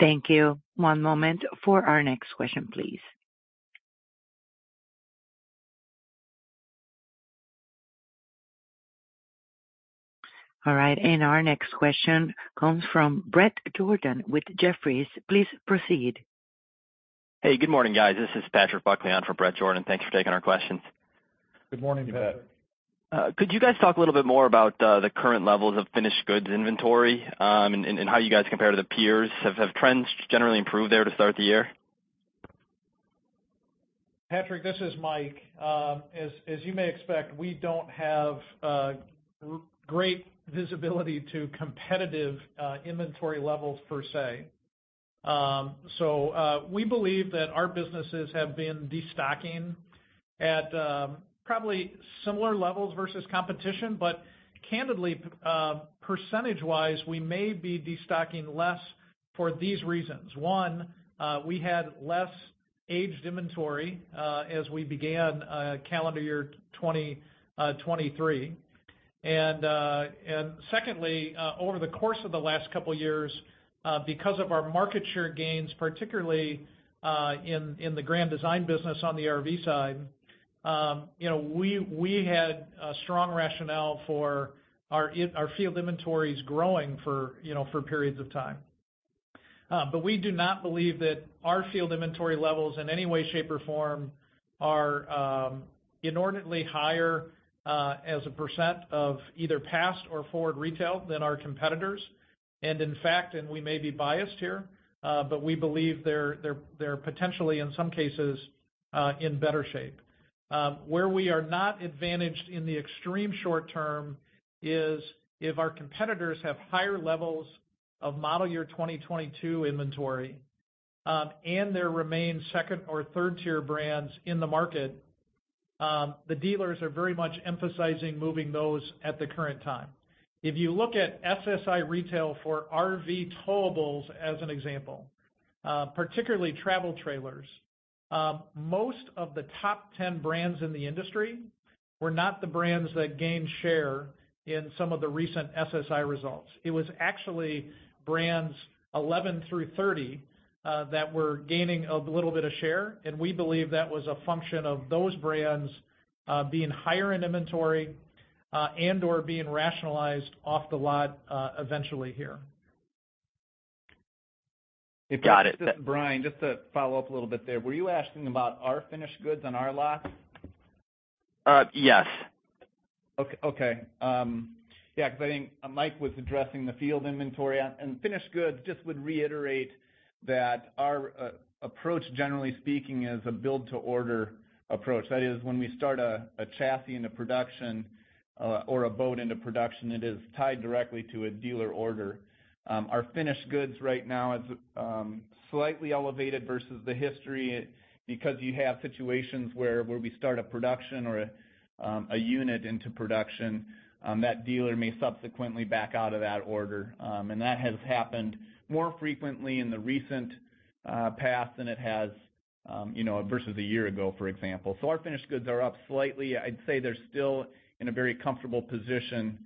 Thank you. One moment for our next question, please. All right, our next question comes from Bret Jordan with Jefferies. Please proceed. Hey, good morning, guys. This is Patrick Buckley on for Bret Jordan. Thanks for taking our questions. Good morning, Patrick. Good morning. Could you guys talk a little bit more about the current levels of finished goods inventory, and how you guys compare to the peers? Have trends generally improved there to start the year? Patrick, this is Mike. As you may expect, we don't have great visibility to competitive inventory levels, per se. We believe that our businesses have been destocking at probably similar levels versus competition, but candidly, percentage-wise, we may be destocking less for these reasons. One, we had less aged inventory as we began calendar year 2023. Secondly, over the course of the last couple of years, because of our market share gains, particularly in the Grand Design business on the RV side, you know, we had a strong rationale for our field inventories growing for, you know, for periods of time. We do not believe that our field inventory levels in any way, shape, or form are inordinately higher, as a percent of either past or forward retail than our competitors. In fact, and we may be biased here, but we believe they're potentially, in some cases, in better shape. Where we are not advantaged in the extreme short term is if our competitors have higher levels of model year 2022 inventory, and there remain second or third-tier brands in the market, the dealers are very much emphasizing moving those at the current time. If you look at FSI retail for RV towables, as an example, particularly travel trailers, most of the top 10 brands in the industry were not the brands that gained share in some of the recent FSI results. It was actually brands 11 through 30, that were gaining a little bit of share, and we believe that was a function of those brands, being higher in inventory, and/or being rationalized off the lot, eventually here. Got it. Bryan, just to follow up a little bit there, were you asking about our finished goods on our lots? Yes. Okay. Yeah, because I think Mike was addressing the field inventory. Finished goods, just would reiterate that our approach, generally speaking, is a build-to-order approach. That is, when we start a chassis into production, or a boat into production, it is tied directly to a dealer order. Our finished goods right now is slightly elevated versus the history, because you have situations where we start a production or a unit into production, that dealer may subsequently back out of that order. That has happened more frequently in the recent past than it has, you know, versus a year ago, for example. Our finished goods are up slightly. I'd say they're still in a very comfortable position,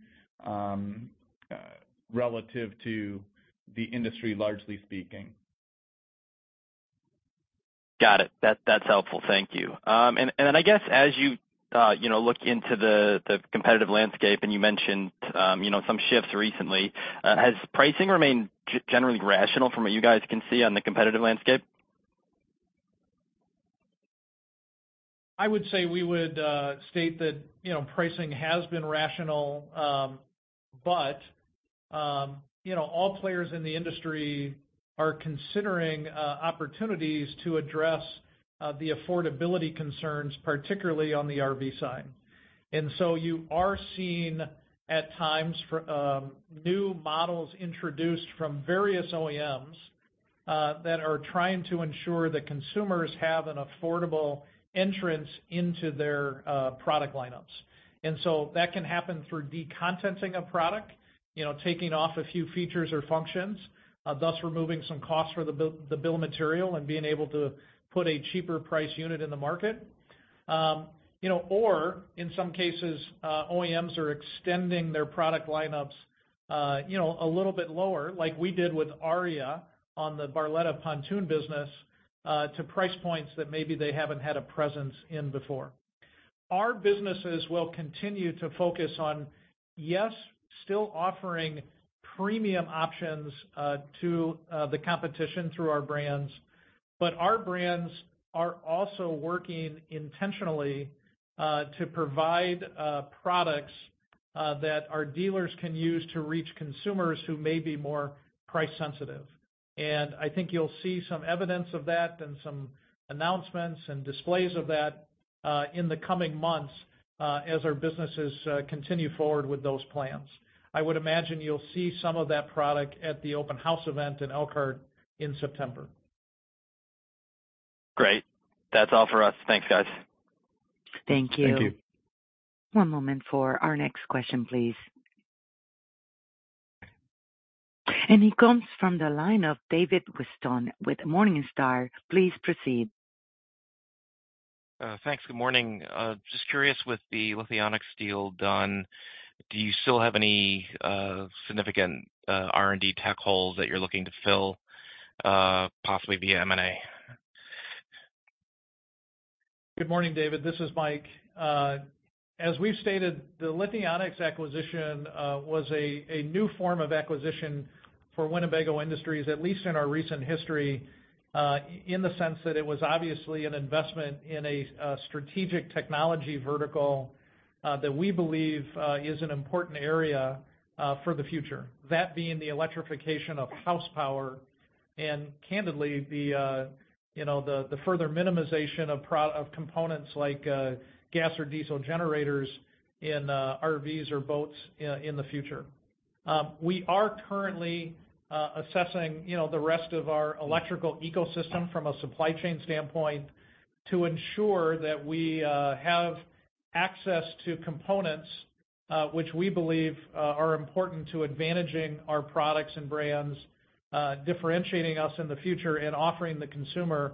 relative to the industry, largely speaking. Got it. That's helpful. Thank you. I guess as you know, look into the competitive landscape, and you mentioned, you know, some shifts recently, has pricing remained generally rational from what you guys can see on the competitive landscape? I would say we would state that, you know, pricing has been rational, but, you know, all players in the industry are considering opportunities to address the affordability concerns, particularly on the RV side. You are seeing, at times, for new models introduced from various OEMs that are trying to ensure that consumers have an affordable entrance into their product lineups. That can happen through decontenting a product, you know, taking off a few features or functions, thus removing some costs for the bill of material and being able to put a cheaper price unit in the market. You know, or in some cases, OEMs are extending their product lineups, you know, a little bit lower, like we did with Aria on the Barletta Pontoon business, to price points that maybe they haven't had a presence in before. Our businesses will continue to focus on, yes, still offering premium options, to the competition through our brands, but our brands are also working intentionally, to provide products that our dealers can use to reach consumers who may be more price sensitive. I think you'll see some evidence of that and some announcements and displays of that in the coming months, as our businesses continue forward with those plans. I would imagine you'll see some of that product at the open house event in Elkhart in September. Great. That's all for us. Thanks, guys. Thank you. Thank you. One moment for our next question, please. It comes from the line of David Whiston with Morningstar. Please proceed. Thanks. Good morning. Just curious, with the Lithionics deal done, do you still have any significant R&D tech holes that you're looking to fill, possibly via M&A? Good morning, David. This is Mike. As we've stated, the Lithionics acquisition was a new form of acquisition for Winnebago Industries, at least in our recent history, in the sense that it was obviously an investment in a strategic technology vertical that we believe is an important area for the future. That being the electrification of house power and candidly, you know, the further minimization of components like gas or diesel generators in RVs or boats in the future. ssessing, you know, the rest of our electrical ecosystem from a supply chain standpoint to ensure that we have access to components, which we believe are important to advantaging our products and brands, differentiating us in the future and offering the consumer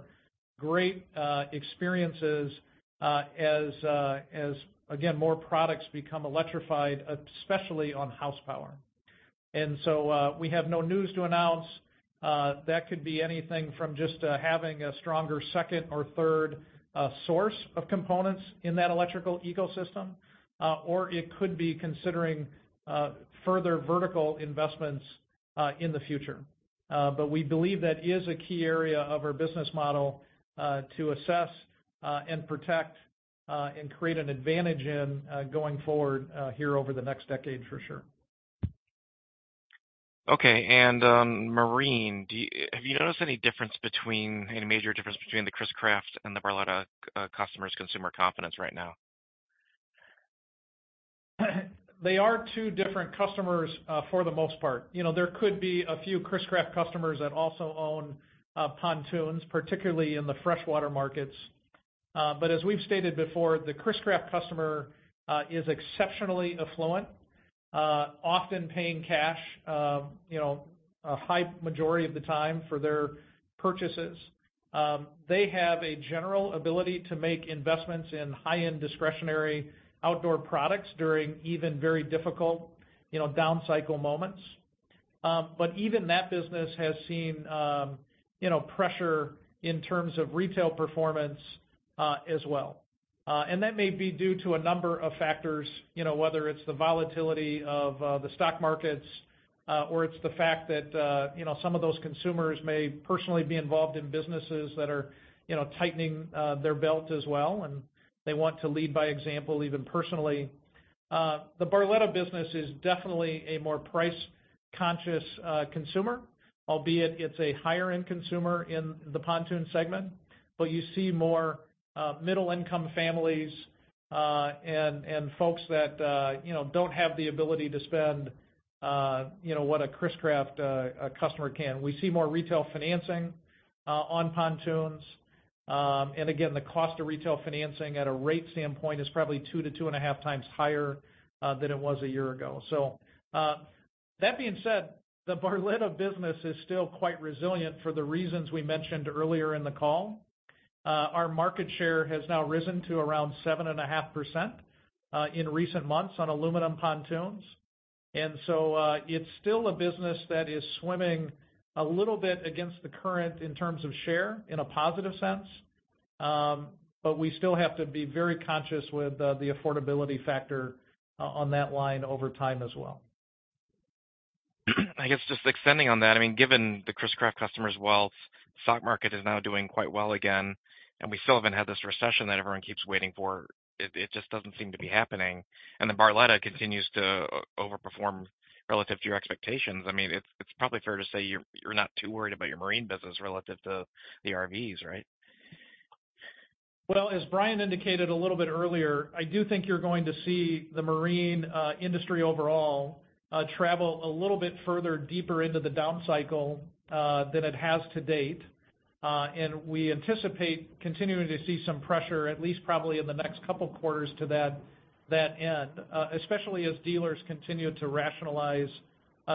great experiences as, again, more products become electrified, especially on house power. We have no news to announce. That could be anything from just having a stronger second or third source of components in that electrical ecosystem, or it could be considering further vertical investments in the future. But we believe that is a key area of our business model to assess and protect and create an advantage in going forward here over the next decade, for sure. Okay. Marine, have you noticed any difference between, any major difference between the Chris-Craft and the Barletta customers' consumer confidence right now? They are two different customers, for the most part. You know, there could be a few Chris-Craft customers that also own pontoons, particularly in the freshwater markets. As we've stated before, the Chris-Craft customer is exceptionally affluent, often paying cash, you know, a high majority of the time for their purchases. They have a general ability to make investments in high-end discretionary outdoor products during even very difficult, you know, downcycle moments. Even that business has seen, you know, pressure in terms of retail performance, as well. That may be due to a number of factors, you know, whether it's the volatility of the stock markets, or it's the fact that, you know, some of those consumers may personally be involved in businesses that are, you know, tightening their belt as well, and they want to lead by example, even personally. The Barletta business is definitely a more price-conscious consumer, albeit it's a higher-end consumer in the pontoon segment, but you see more middle-income families, and folks that, you know, don't have the ability to spend, you know, what a Chris-Craft customer can. We see more retail financing on pontoons. Again, the cost of retail financing at a rate standpoint is probably 2 to 2.5 times higher than it was a year ago. That being said, the Barletta business is still quite resilient for the reasons we mentioned earlier in the call. Our market share has now risen to around 7.5% in recent months on aluminum pontoons. It's still a business that is swimming a little bit against the current in terms of share in a positive sense. We still have to be very conscious with the affordability factor on that line over time as well. I guess just extending on that, I mean, given the Chris-Craft customers' wealth, stock market is now doing quite well again, we still haven't had this recession that everyone keeps waiting for, it just doesn't seem to be happening. The Barletta continues to overperform relative to your expectations. I mean, it's probably fair to say you're not too worried about your marine business relative to the RVs, right? Well, as Bryan indicated a little bit earlier, I do think you're going to see the marine industry overall travel a little bit further, deeper into the down cycle than it has to date. We anticipate continuing to see some pressure, at least probably in the next couple of quarters to that end, especially as dealers continue to rationalize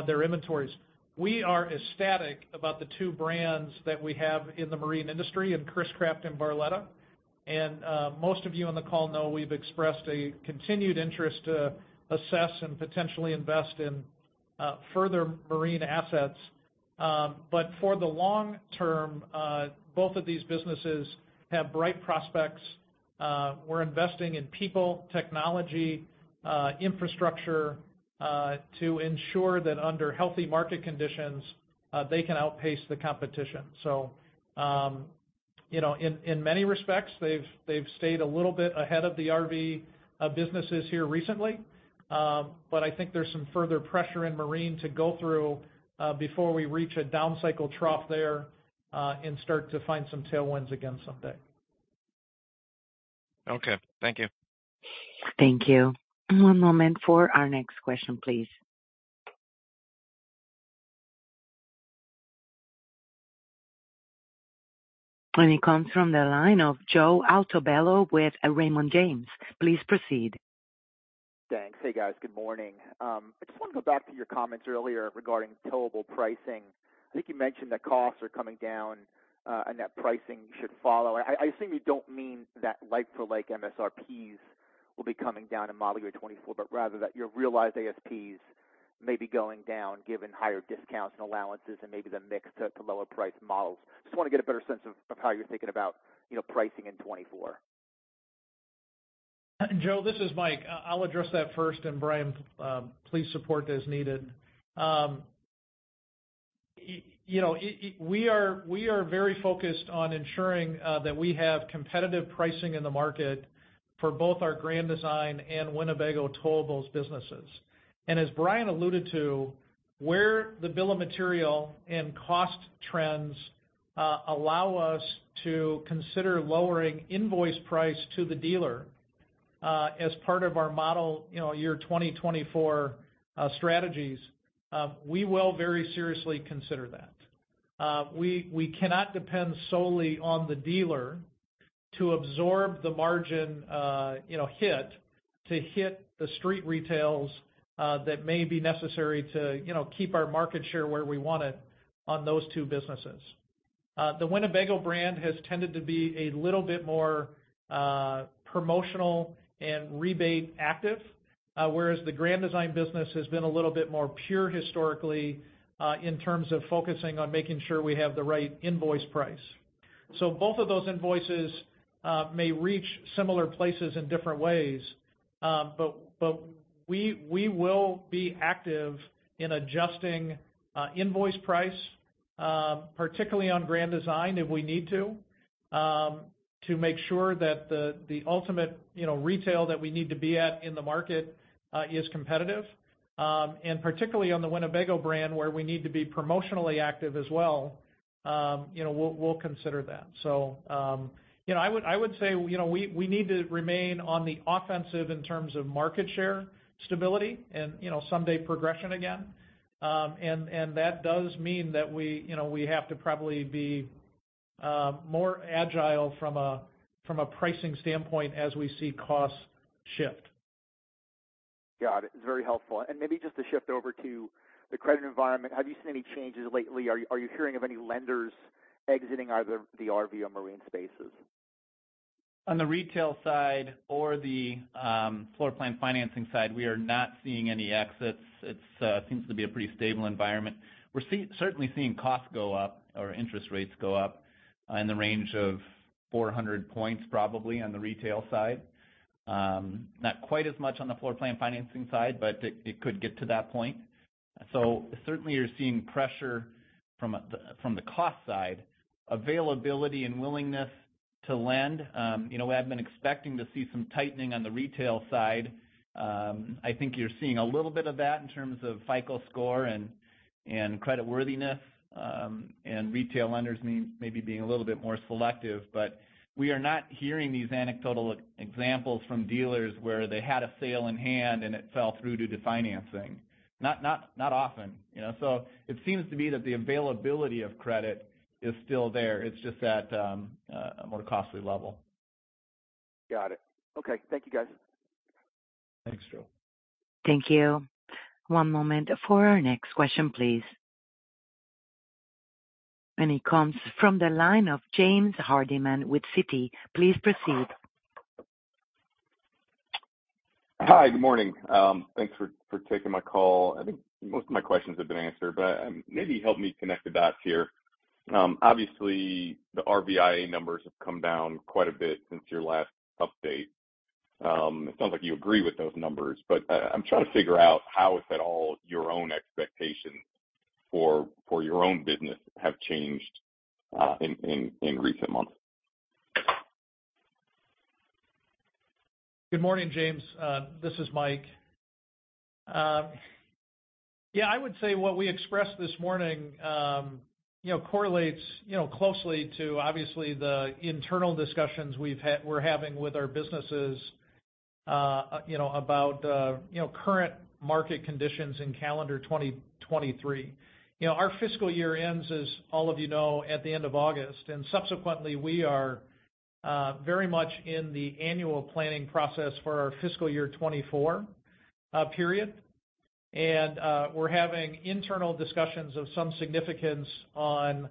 their inventories. We are ecstatic about the two brands that we have in the marine industry, in Chris-Craft and Barletta. Most of you on the call know we've expressed a continued interest to assess and potentially invest in further marine assets. For the long term, both of these businesses have bright prospects. We're investing in people, technology, infrastructure, to ensure that under healthy market conditions, they can outpace the competition. you know, in many respects, they've stayed a little bit ahead of the RV businesses here recently. I think there's some further pressure in marine to go through before we reach a downcycle trough there and start to find some tailwinds again someday. Okay. Thank you. Thank you. One moment for our next question, please. It comes from the line of Joe Altobello with Raymond James. Please proceed. Thanks. Hey, guys, good morning. I just want to go back to your comments earlier regarding towable pricing. I think you mentioned that costs are coming down, and that pricing should follow. I assume you don't mean that like-for-like MSRPs will be coming down in model year 24, but rather that your realized ASPs may be going down, given higher discounts and allowances and maybe the mix to lower price models. Just want to get a better sense of how you're thinking about, you know, pricing in 24. Joe, this is Mike. I'll address that first, and Bryan, please support as needed. You know, we are very focused on ensuring that we have competitive pricing in the market for both our Grand Design and Winnebago towables businesses. As Bryan alluded to, where the bill of material and cost trends allow us to consider lowering invoice price to the dealer, as part of our model, you know, year 2024 strategies, we will very seriously consider that. We cannot depend solely on the dealer to absorb the margin, you know, hit, to hit the street retails that may be necessary to, you know, keep our market share where we want it on those two businesses. The Winnebago brand has tended to be a little bit more promotional and rebate active, whereas the Grand Design business has been a little bit more pure historically, in terms of focusing on making sure we have the right invoice price. Both of those invoices may reach similar places in different ways, but we will be active in adjusting invoice price, particularly on Grand Design, if we need to make sure that the ultimate, you know, retail that we need to be at in the market, is competitive. Particularly on the Winnebago brand, where we need to be promotionally active as well, you know, we'll consider that. You know, I would say, you know, we need to remain on the offensive in terms of market share, stability, and, you know, someday progression again. That does mean that we, you know, have to probably be more agile from a pricing standpoint as we see costs shift. Got it. It's very helpful. Maybe just to shift over to the credit environment, have you seen any changes lately? Are you hearing of any lenders exiting either the RV or marine spaces? On the retail side or the floor plan financing side, we are not seeing any exits. It seems to be a pretty stable environment. We're certainly seeing costs go up or interest rates go up in the range of 400 points, probably on the retail side. Not quite as much on the floor plan financing side, but it could get to that point. Certainly, you're seeing pressure from the cost side. Availability and willingness to lend, you know, I've been expecting to see some tightening on the retail side. I think you're seeing a little bit of that in terms of FICO score and creditworthiness, and retail lenders maybe being a little bit more selective. We are not hearing these anecdotal examples from dealers where they had a sale in hand and it fell through due to financing. Not often, you know? It seems to be that the availability of credit is still there. It's just at a more costly level. Got it. Okay. Thank you, guys. Thanks, Joe. Thank you. One moment for our next question, please. It comes from the line of James Hardiman with Citi. Please proceed. Hi, good morning. Thanks for taking my call. I think most of my questions have been answered. Maybe help me connect the dots here. Obviously, the RVIA numbers have come down quite a bit since your last update. It sounds like you agree with those numbers. I'm trying to figure out how, if at all, your own expectations for your own business have changed, in recent months? Good morning, James Hardiman. This is Michael Happe. Yeah, I would say what we expressed this morning, you know, correlates, you know, closely to obviously the internal discussions we're having with our businesses, you know, about, you know, current market conditions in calendar 2023. You know, our fiscal year ends, as all of you know, at the end of August. Subsequently, we are very much in the annual planning process for our fiscal year 24 period. We're having internal discussions of some significance on,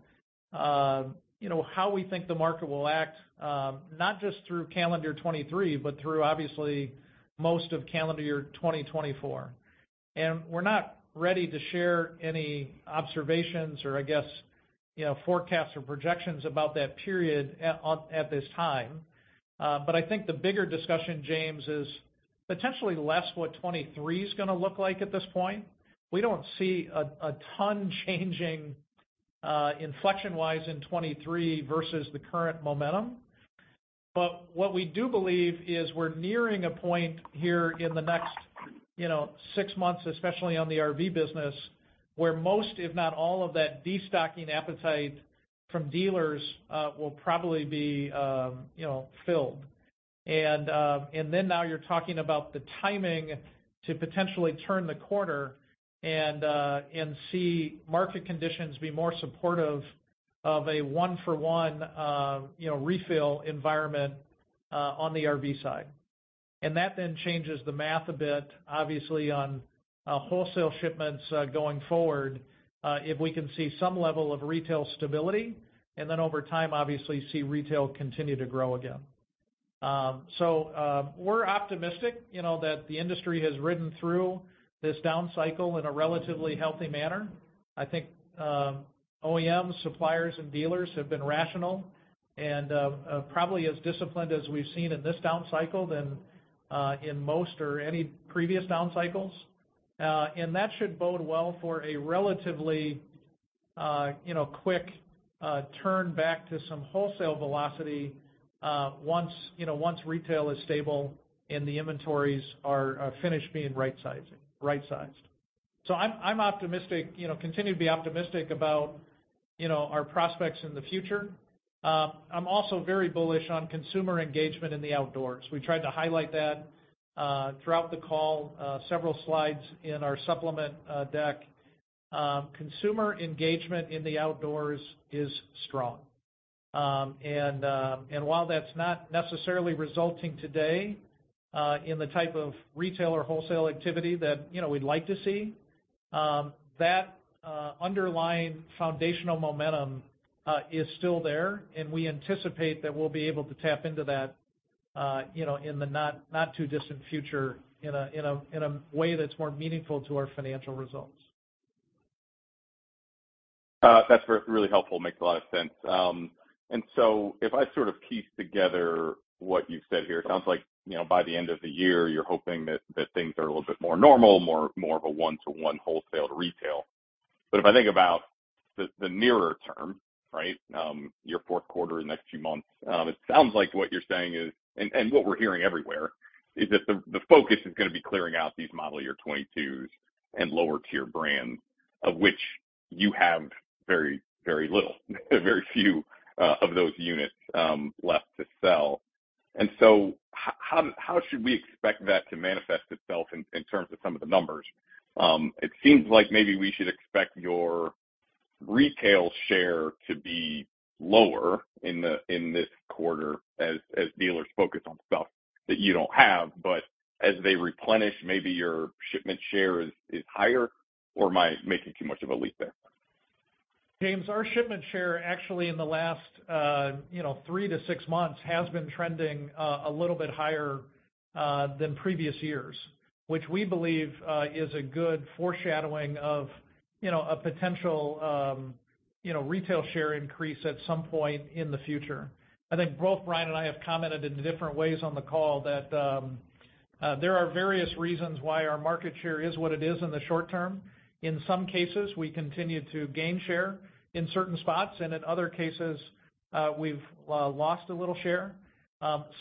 you know, how we think the market will act, not just through calendar 23, but through obviously most of calendar year 2024. We're not ready to share any observations or I guess, you know, forecasts or projections about that period at this time. I think the bigger discussion, James, is potentially less what 2023 is going to look like at this point. We don't see a ton changing, inflection-wise in 2023 versus the current momentum. What we do believe is we're nearing a point here in the next, you know, 6 months, especially on the RV business, where most, if not all, of that destocking appetite from dealers, will probably be, you know, filled. Then now you're talking about the timing to potentially turn the corner and see market conditions be more supportive of a one-for-one, you know, refill environment on the RV side. That then changes the math a bit, obviously on wholesale shipments going forward if we can see some level of retail stability, and then over time, obviously see retail continue to grow again. We're optimistic, you know, that the industry has ridden through this down cycle in a relatively healthy manner. I think OEMs, suppliers, and dealers have been rational and probably as disciplined as we've seen in this down cycle than in most or any previous down cycles. That should bode well for a relatively, you know, quick turn back to some wholesale velocity once, you know, once retail is stable and the inventories are finished being right-sized. I'm optimistic, you know, continue to be optimistic about, you know, our prospects in the future. I'm also very bullish on consumer engagement in the outdoors. We tried to highlight that throughout the call, several slides in our supplement deck. Consumer engagement in the outdoors is strong. While that's not necessarily resulting today in the type of retail or wholesale activity that, you know, we'd like to see, that underlying foundational momentum is still there, and we anticipate that we'll be able to tap into that, you know, in the not too distant future, in a way that's more meaningful to our financial results. That's very, really helpful. Makes a lot of sense. If I sort of piece together what you've said here, it sounds like, you know, by the end of the year, you're hoping that things are a little bit more normal, more of a one-to-one wholesale to retail. If I think about the nearer term, right? Your fourth quarter in the next few months, it sounds like what you're saying is, and what we're hearing everywhere, is that the focus is going to be clearing out these model year 22s and lower-tier brands, of which you have very little, very few of those units left to sell. How should we expect that to manifest itself in terms of some of the numbers? It seems like maybe we should expect your retail share to be lower in this quarter as dealers focus on stuff that you don't have, but as they replenish, maybe your shipment share is higher, or am I making too much of a leap there? James, our shipment share actually in the last, you know, 3-6 months, has been trending a little bit higher than previous years, which we believe is a good foreshadowing of, you know, a potential, you know, retail share increase at some point in the future. I think both Bryan and I have commented in different ways on the call that there are various reasons why our market share is what it is in the short term. In some cases, we continue to gain share in certain spots, and in other cases, we've lost a little share.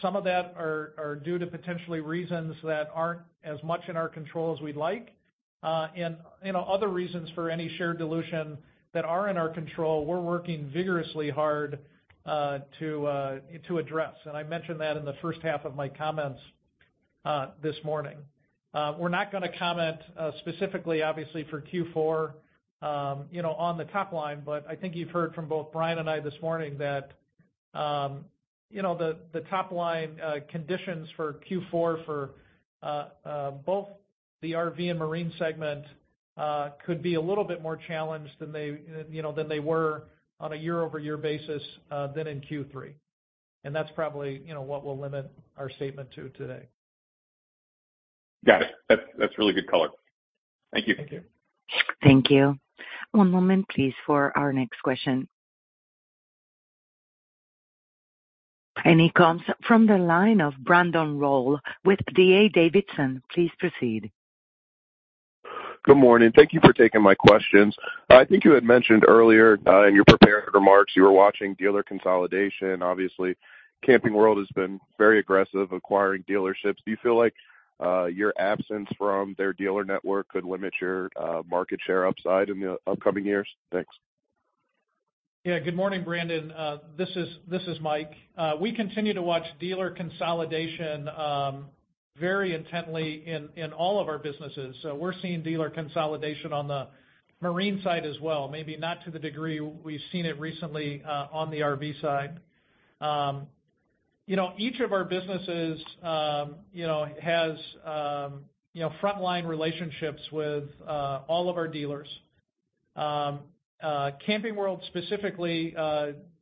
Some of that are due to potentially reasons that aren't as much in our control as we'd like. You know, other reasons for any share dilution that are in our control, we're working vigorously hard to address. I mentioned that in the first half of my comments this morning. We're not going to comment specifically, obviously, for Q4, you know, on the top line, but I think you've heard from both Bryan and I this morning that, you know, the top line conditions for Q4 for both the RV and marine segment could be a little bit more challenged than they, you know, than they were on a year-over-year basis than in Q3. That's probably, you know, what we'll limit our statement to today. Got it. That's really good color. Thank you. Thank you. Thank you. One moment, please, for our next question. It comes from the line of Brandon Rollé with D.A. Davidson. Please proceed. Good morning. Thank you for taking my questions. I think you had mentioned earlier in your prepared remarks, you were watching dealer consolidation. Obviously, Camping World has been very aggressive acquiring dealerships. Do you feel like your absence from their dealer network could limit your market share upside in the upcoming years? Thanks. Good morning, Brandon. This is Mike. We continue to watch dealer consolidation very intently in all of our businesses. We're seeing dealer consolidation on the marine side as well, maybe not to the degree we've seen it recently on the RV side. Each of our businesses, you know, has, you know, frontline relationships with all of our dealers. Camping World specifically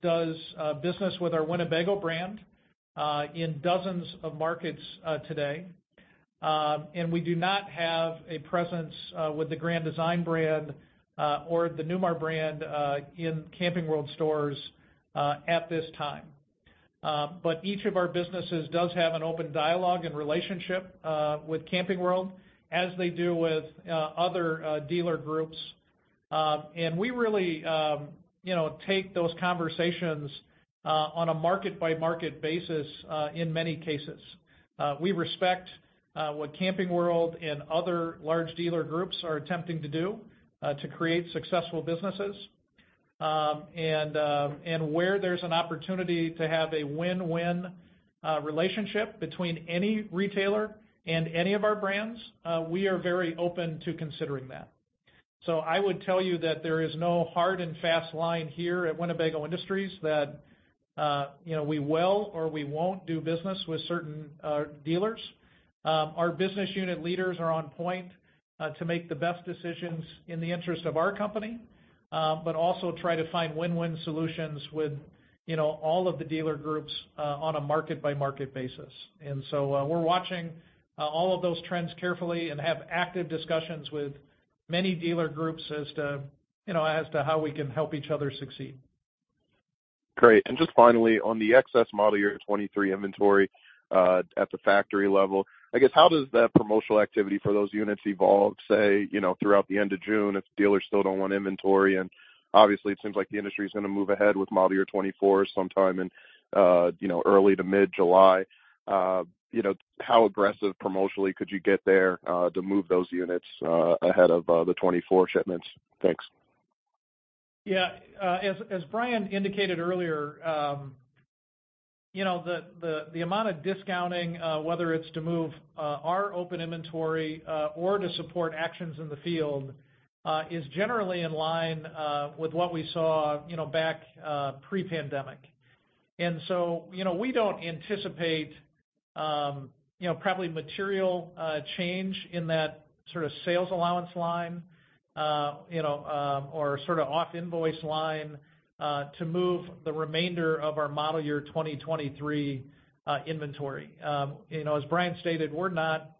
does business with our Winnebago brand in dozens of markets today. We do not have a presence with the Grand Design brand or the Newmar brand in Camping World stores at this time. Each of our businesses does have an open dialogue and relationship with Camping World, as they do with other dealer groups. We really, you know, take those conversations on a market-by-market basis in many cases. We respect what Camping World and other large dealer groups are attempting to do to create successful businesses. Where there's an opportunity to have a win-win relationship between any retailer and any of our brands, we are very open to considering that. I would tell you that there is no hard and fast line here at Winnebago Industries that, you know, we will or we won't do business with certain dealers. Our business unit leaders are on point to make the best decisions in the interest of our company, but also try to find win-win solutions with, you know, all of the dealer groups on a market-by-market basis. We're watching all of those trends carefully and have active discussions with many dealer groups as to, you know, as to how we can help each other succeed. Great. Just finally, on the excess model year 23 inventory, at the factory level, I guess, how does that promotional activity for those units evolve, say, you know, throughout the end of June, if dealers still don't want inventory? Obviously, it seems like the industry is going to move ahead with model year 24 sometime in, you know, early to mid-July. You know, how aggressive promotionally could you get there to move those units ahead of the 24 shipments? Thanks. Yeah. As Bryan indicated earlier, you know, the amount of discounting, whether it's to move our open inventory, or to support actions in the field, is generally in line with what we saw, you know, back pre-pandemic. You know, we don't anticipate, you know, probably material change in that sort of sales allowance line, you know, or sort of off invoice line, to move the remainder of our model year 2023 inventory. You know, as Bryan stated, we're not,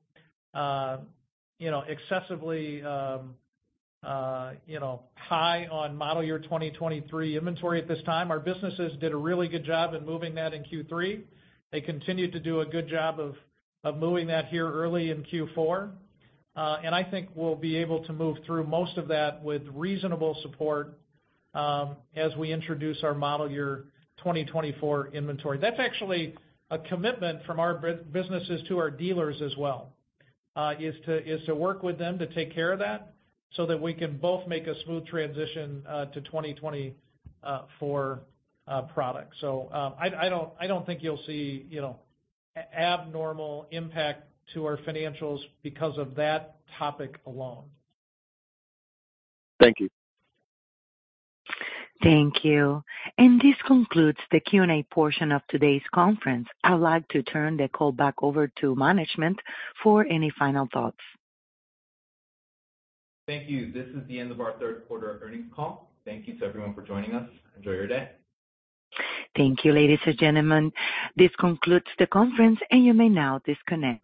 you know, excessively, you know, high on model year 2023 inventory at this time. Our businesses did a really good job in moving that in Q3. They continued to do a good job of moving that here early in Q4. I think we'll be able to move through most of that with reasonable support, as we introduce our model year 2024 inventory. That's actually a commitment from our businesses to our dealers as well, is to work with them to take care of that, so that we can both make a smooth transition to 2024 products. I don't, I don't think you'll see, you know, abnormal impact to our financials because of that topic alone. Thank you. Thank you. This concludes the Q&A portion of today's conference. I'd like to turn the call back over to management for any final thoughts. Thank you. This is the end of our third quarter earnings call. Thank you to everyone for joining us. Enjoy your day. Thank you, ladies and gentlemen. This concludes the conference. You may now disconnect.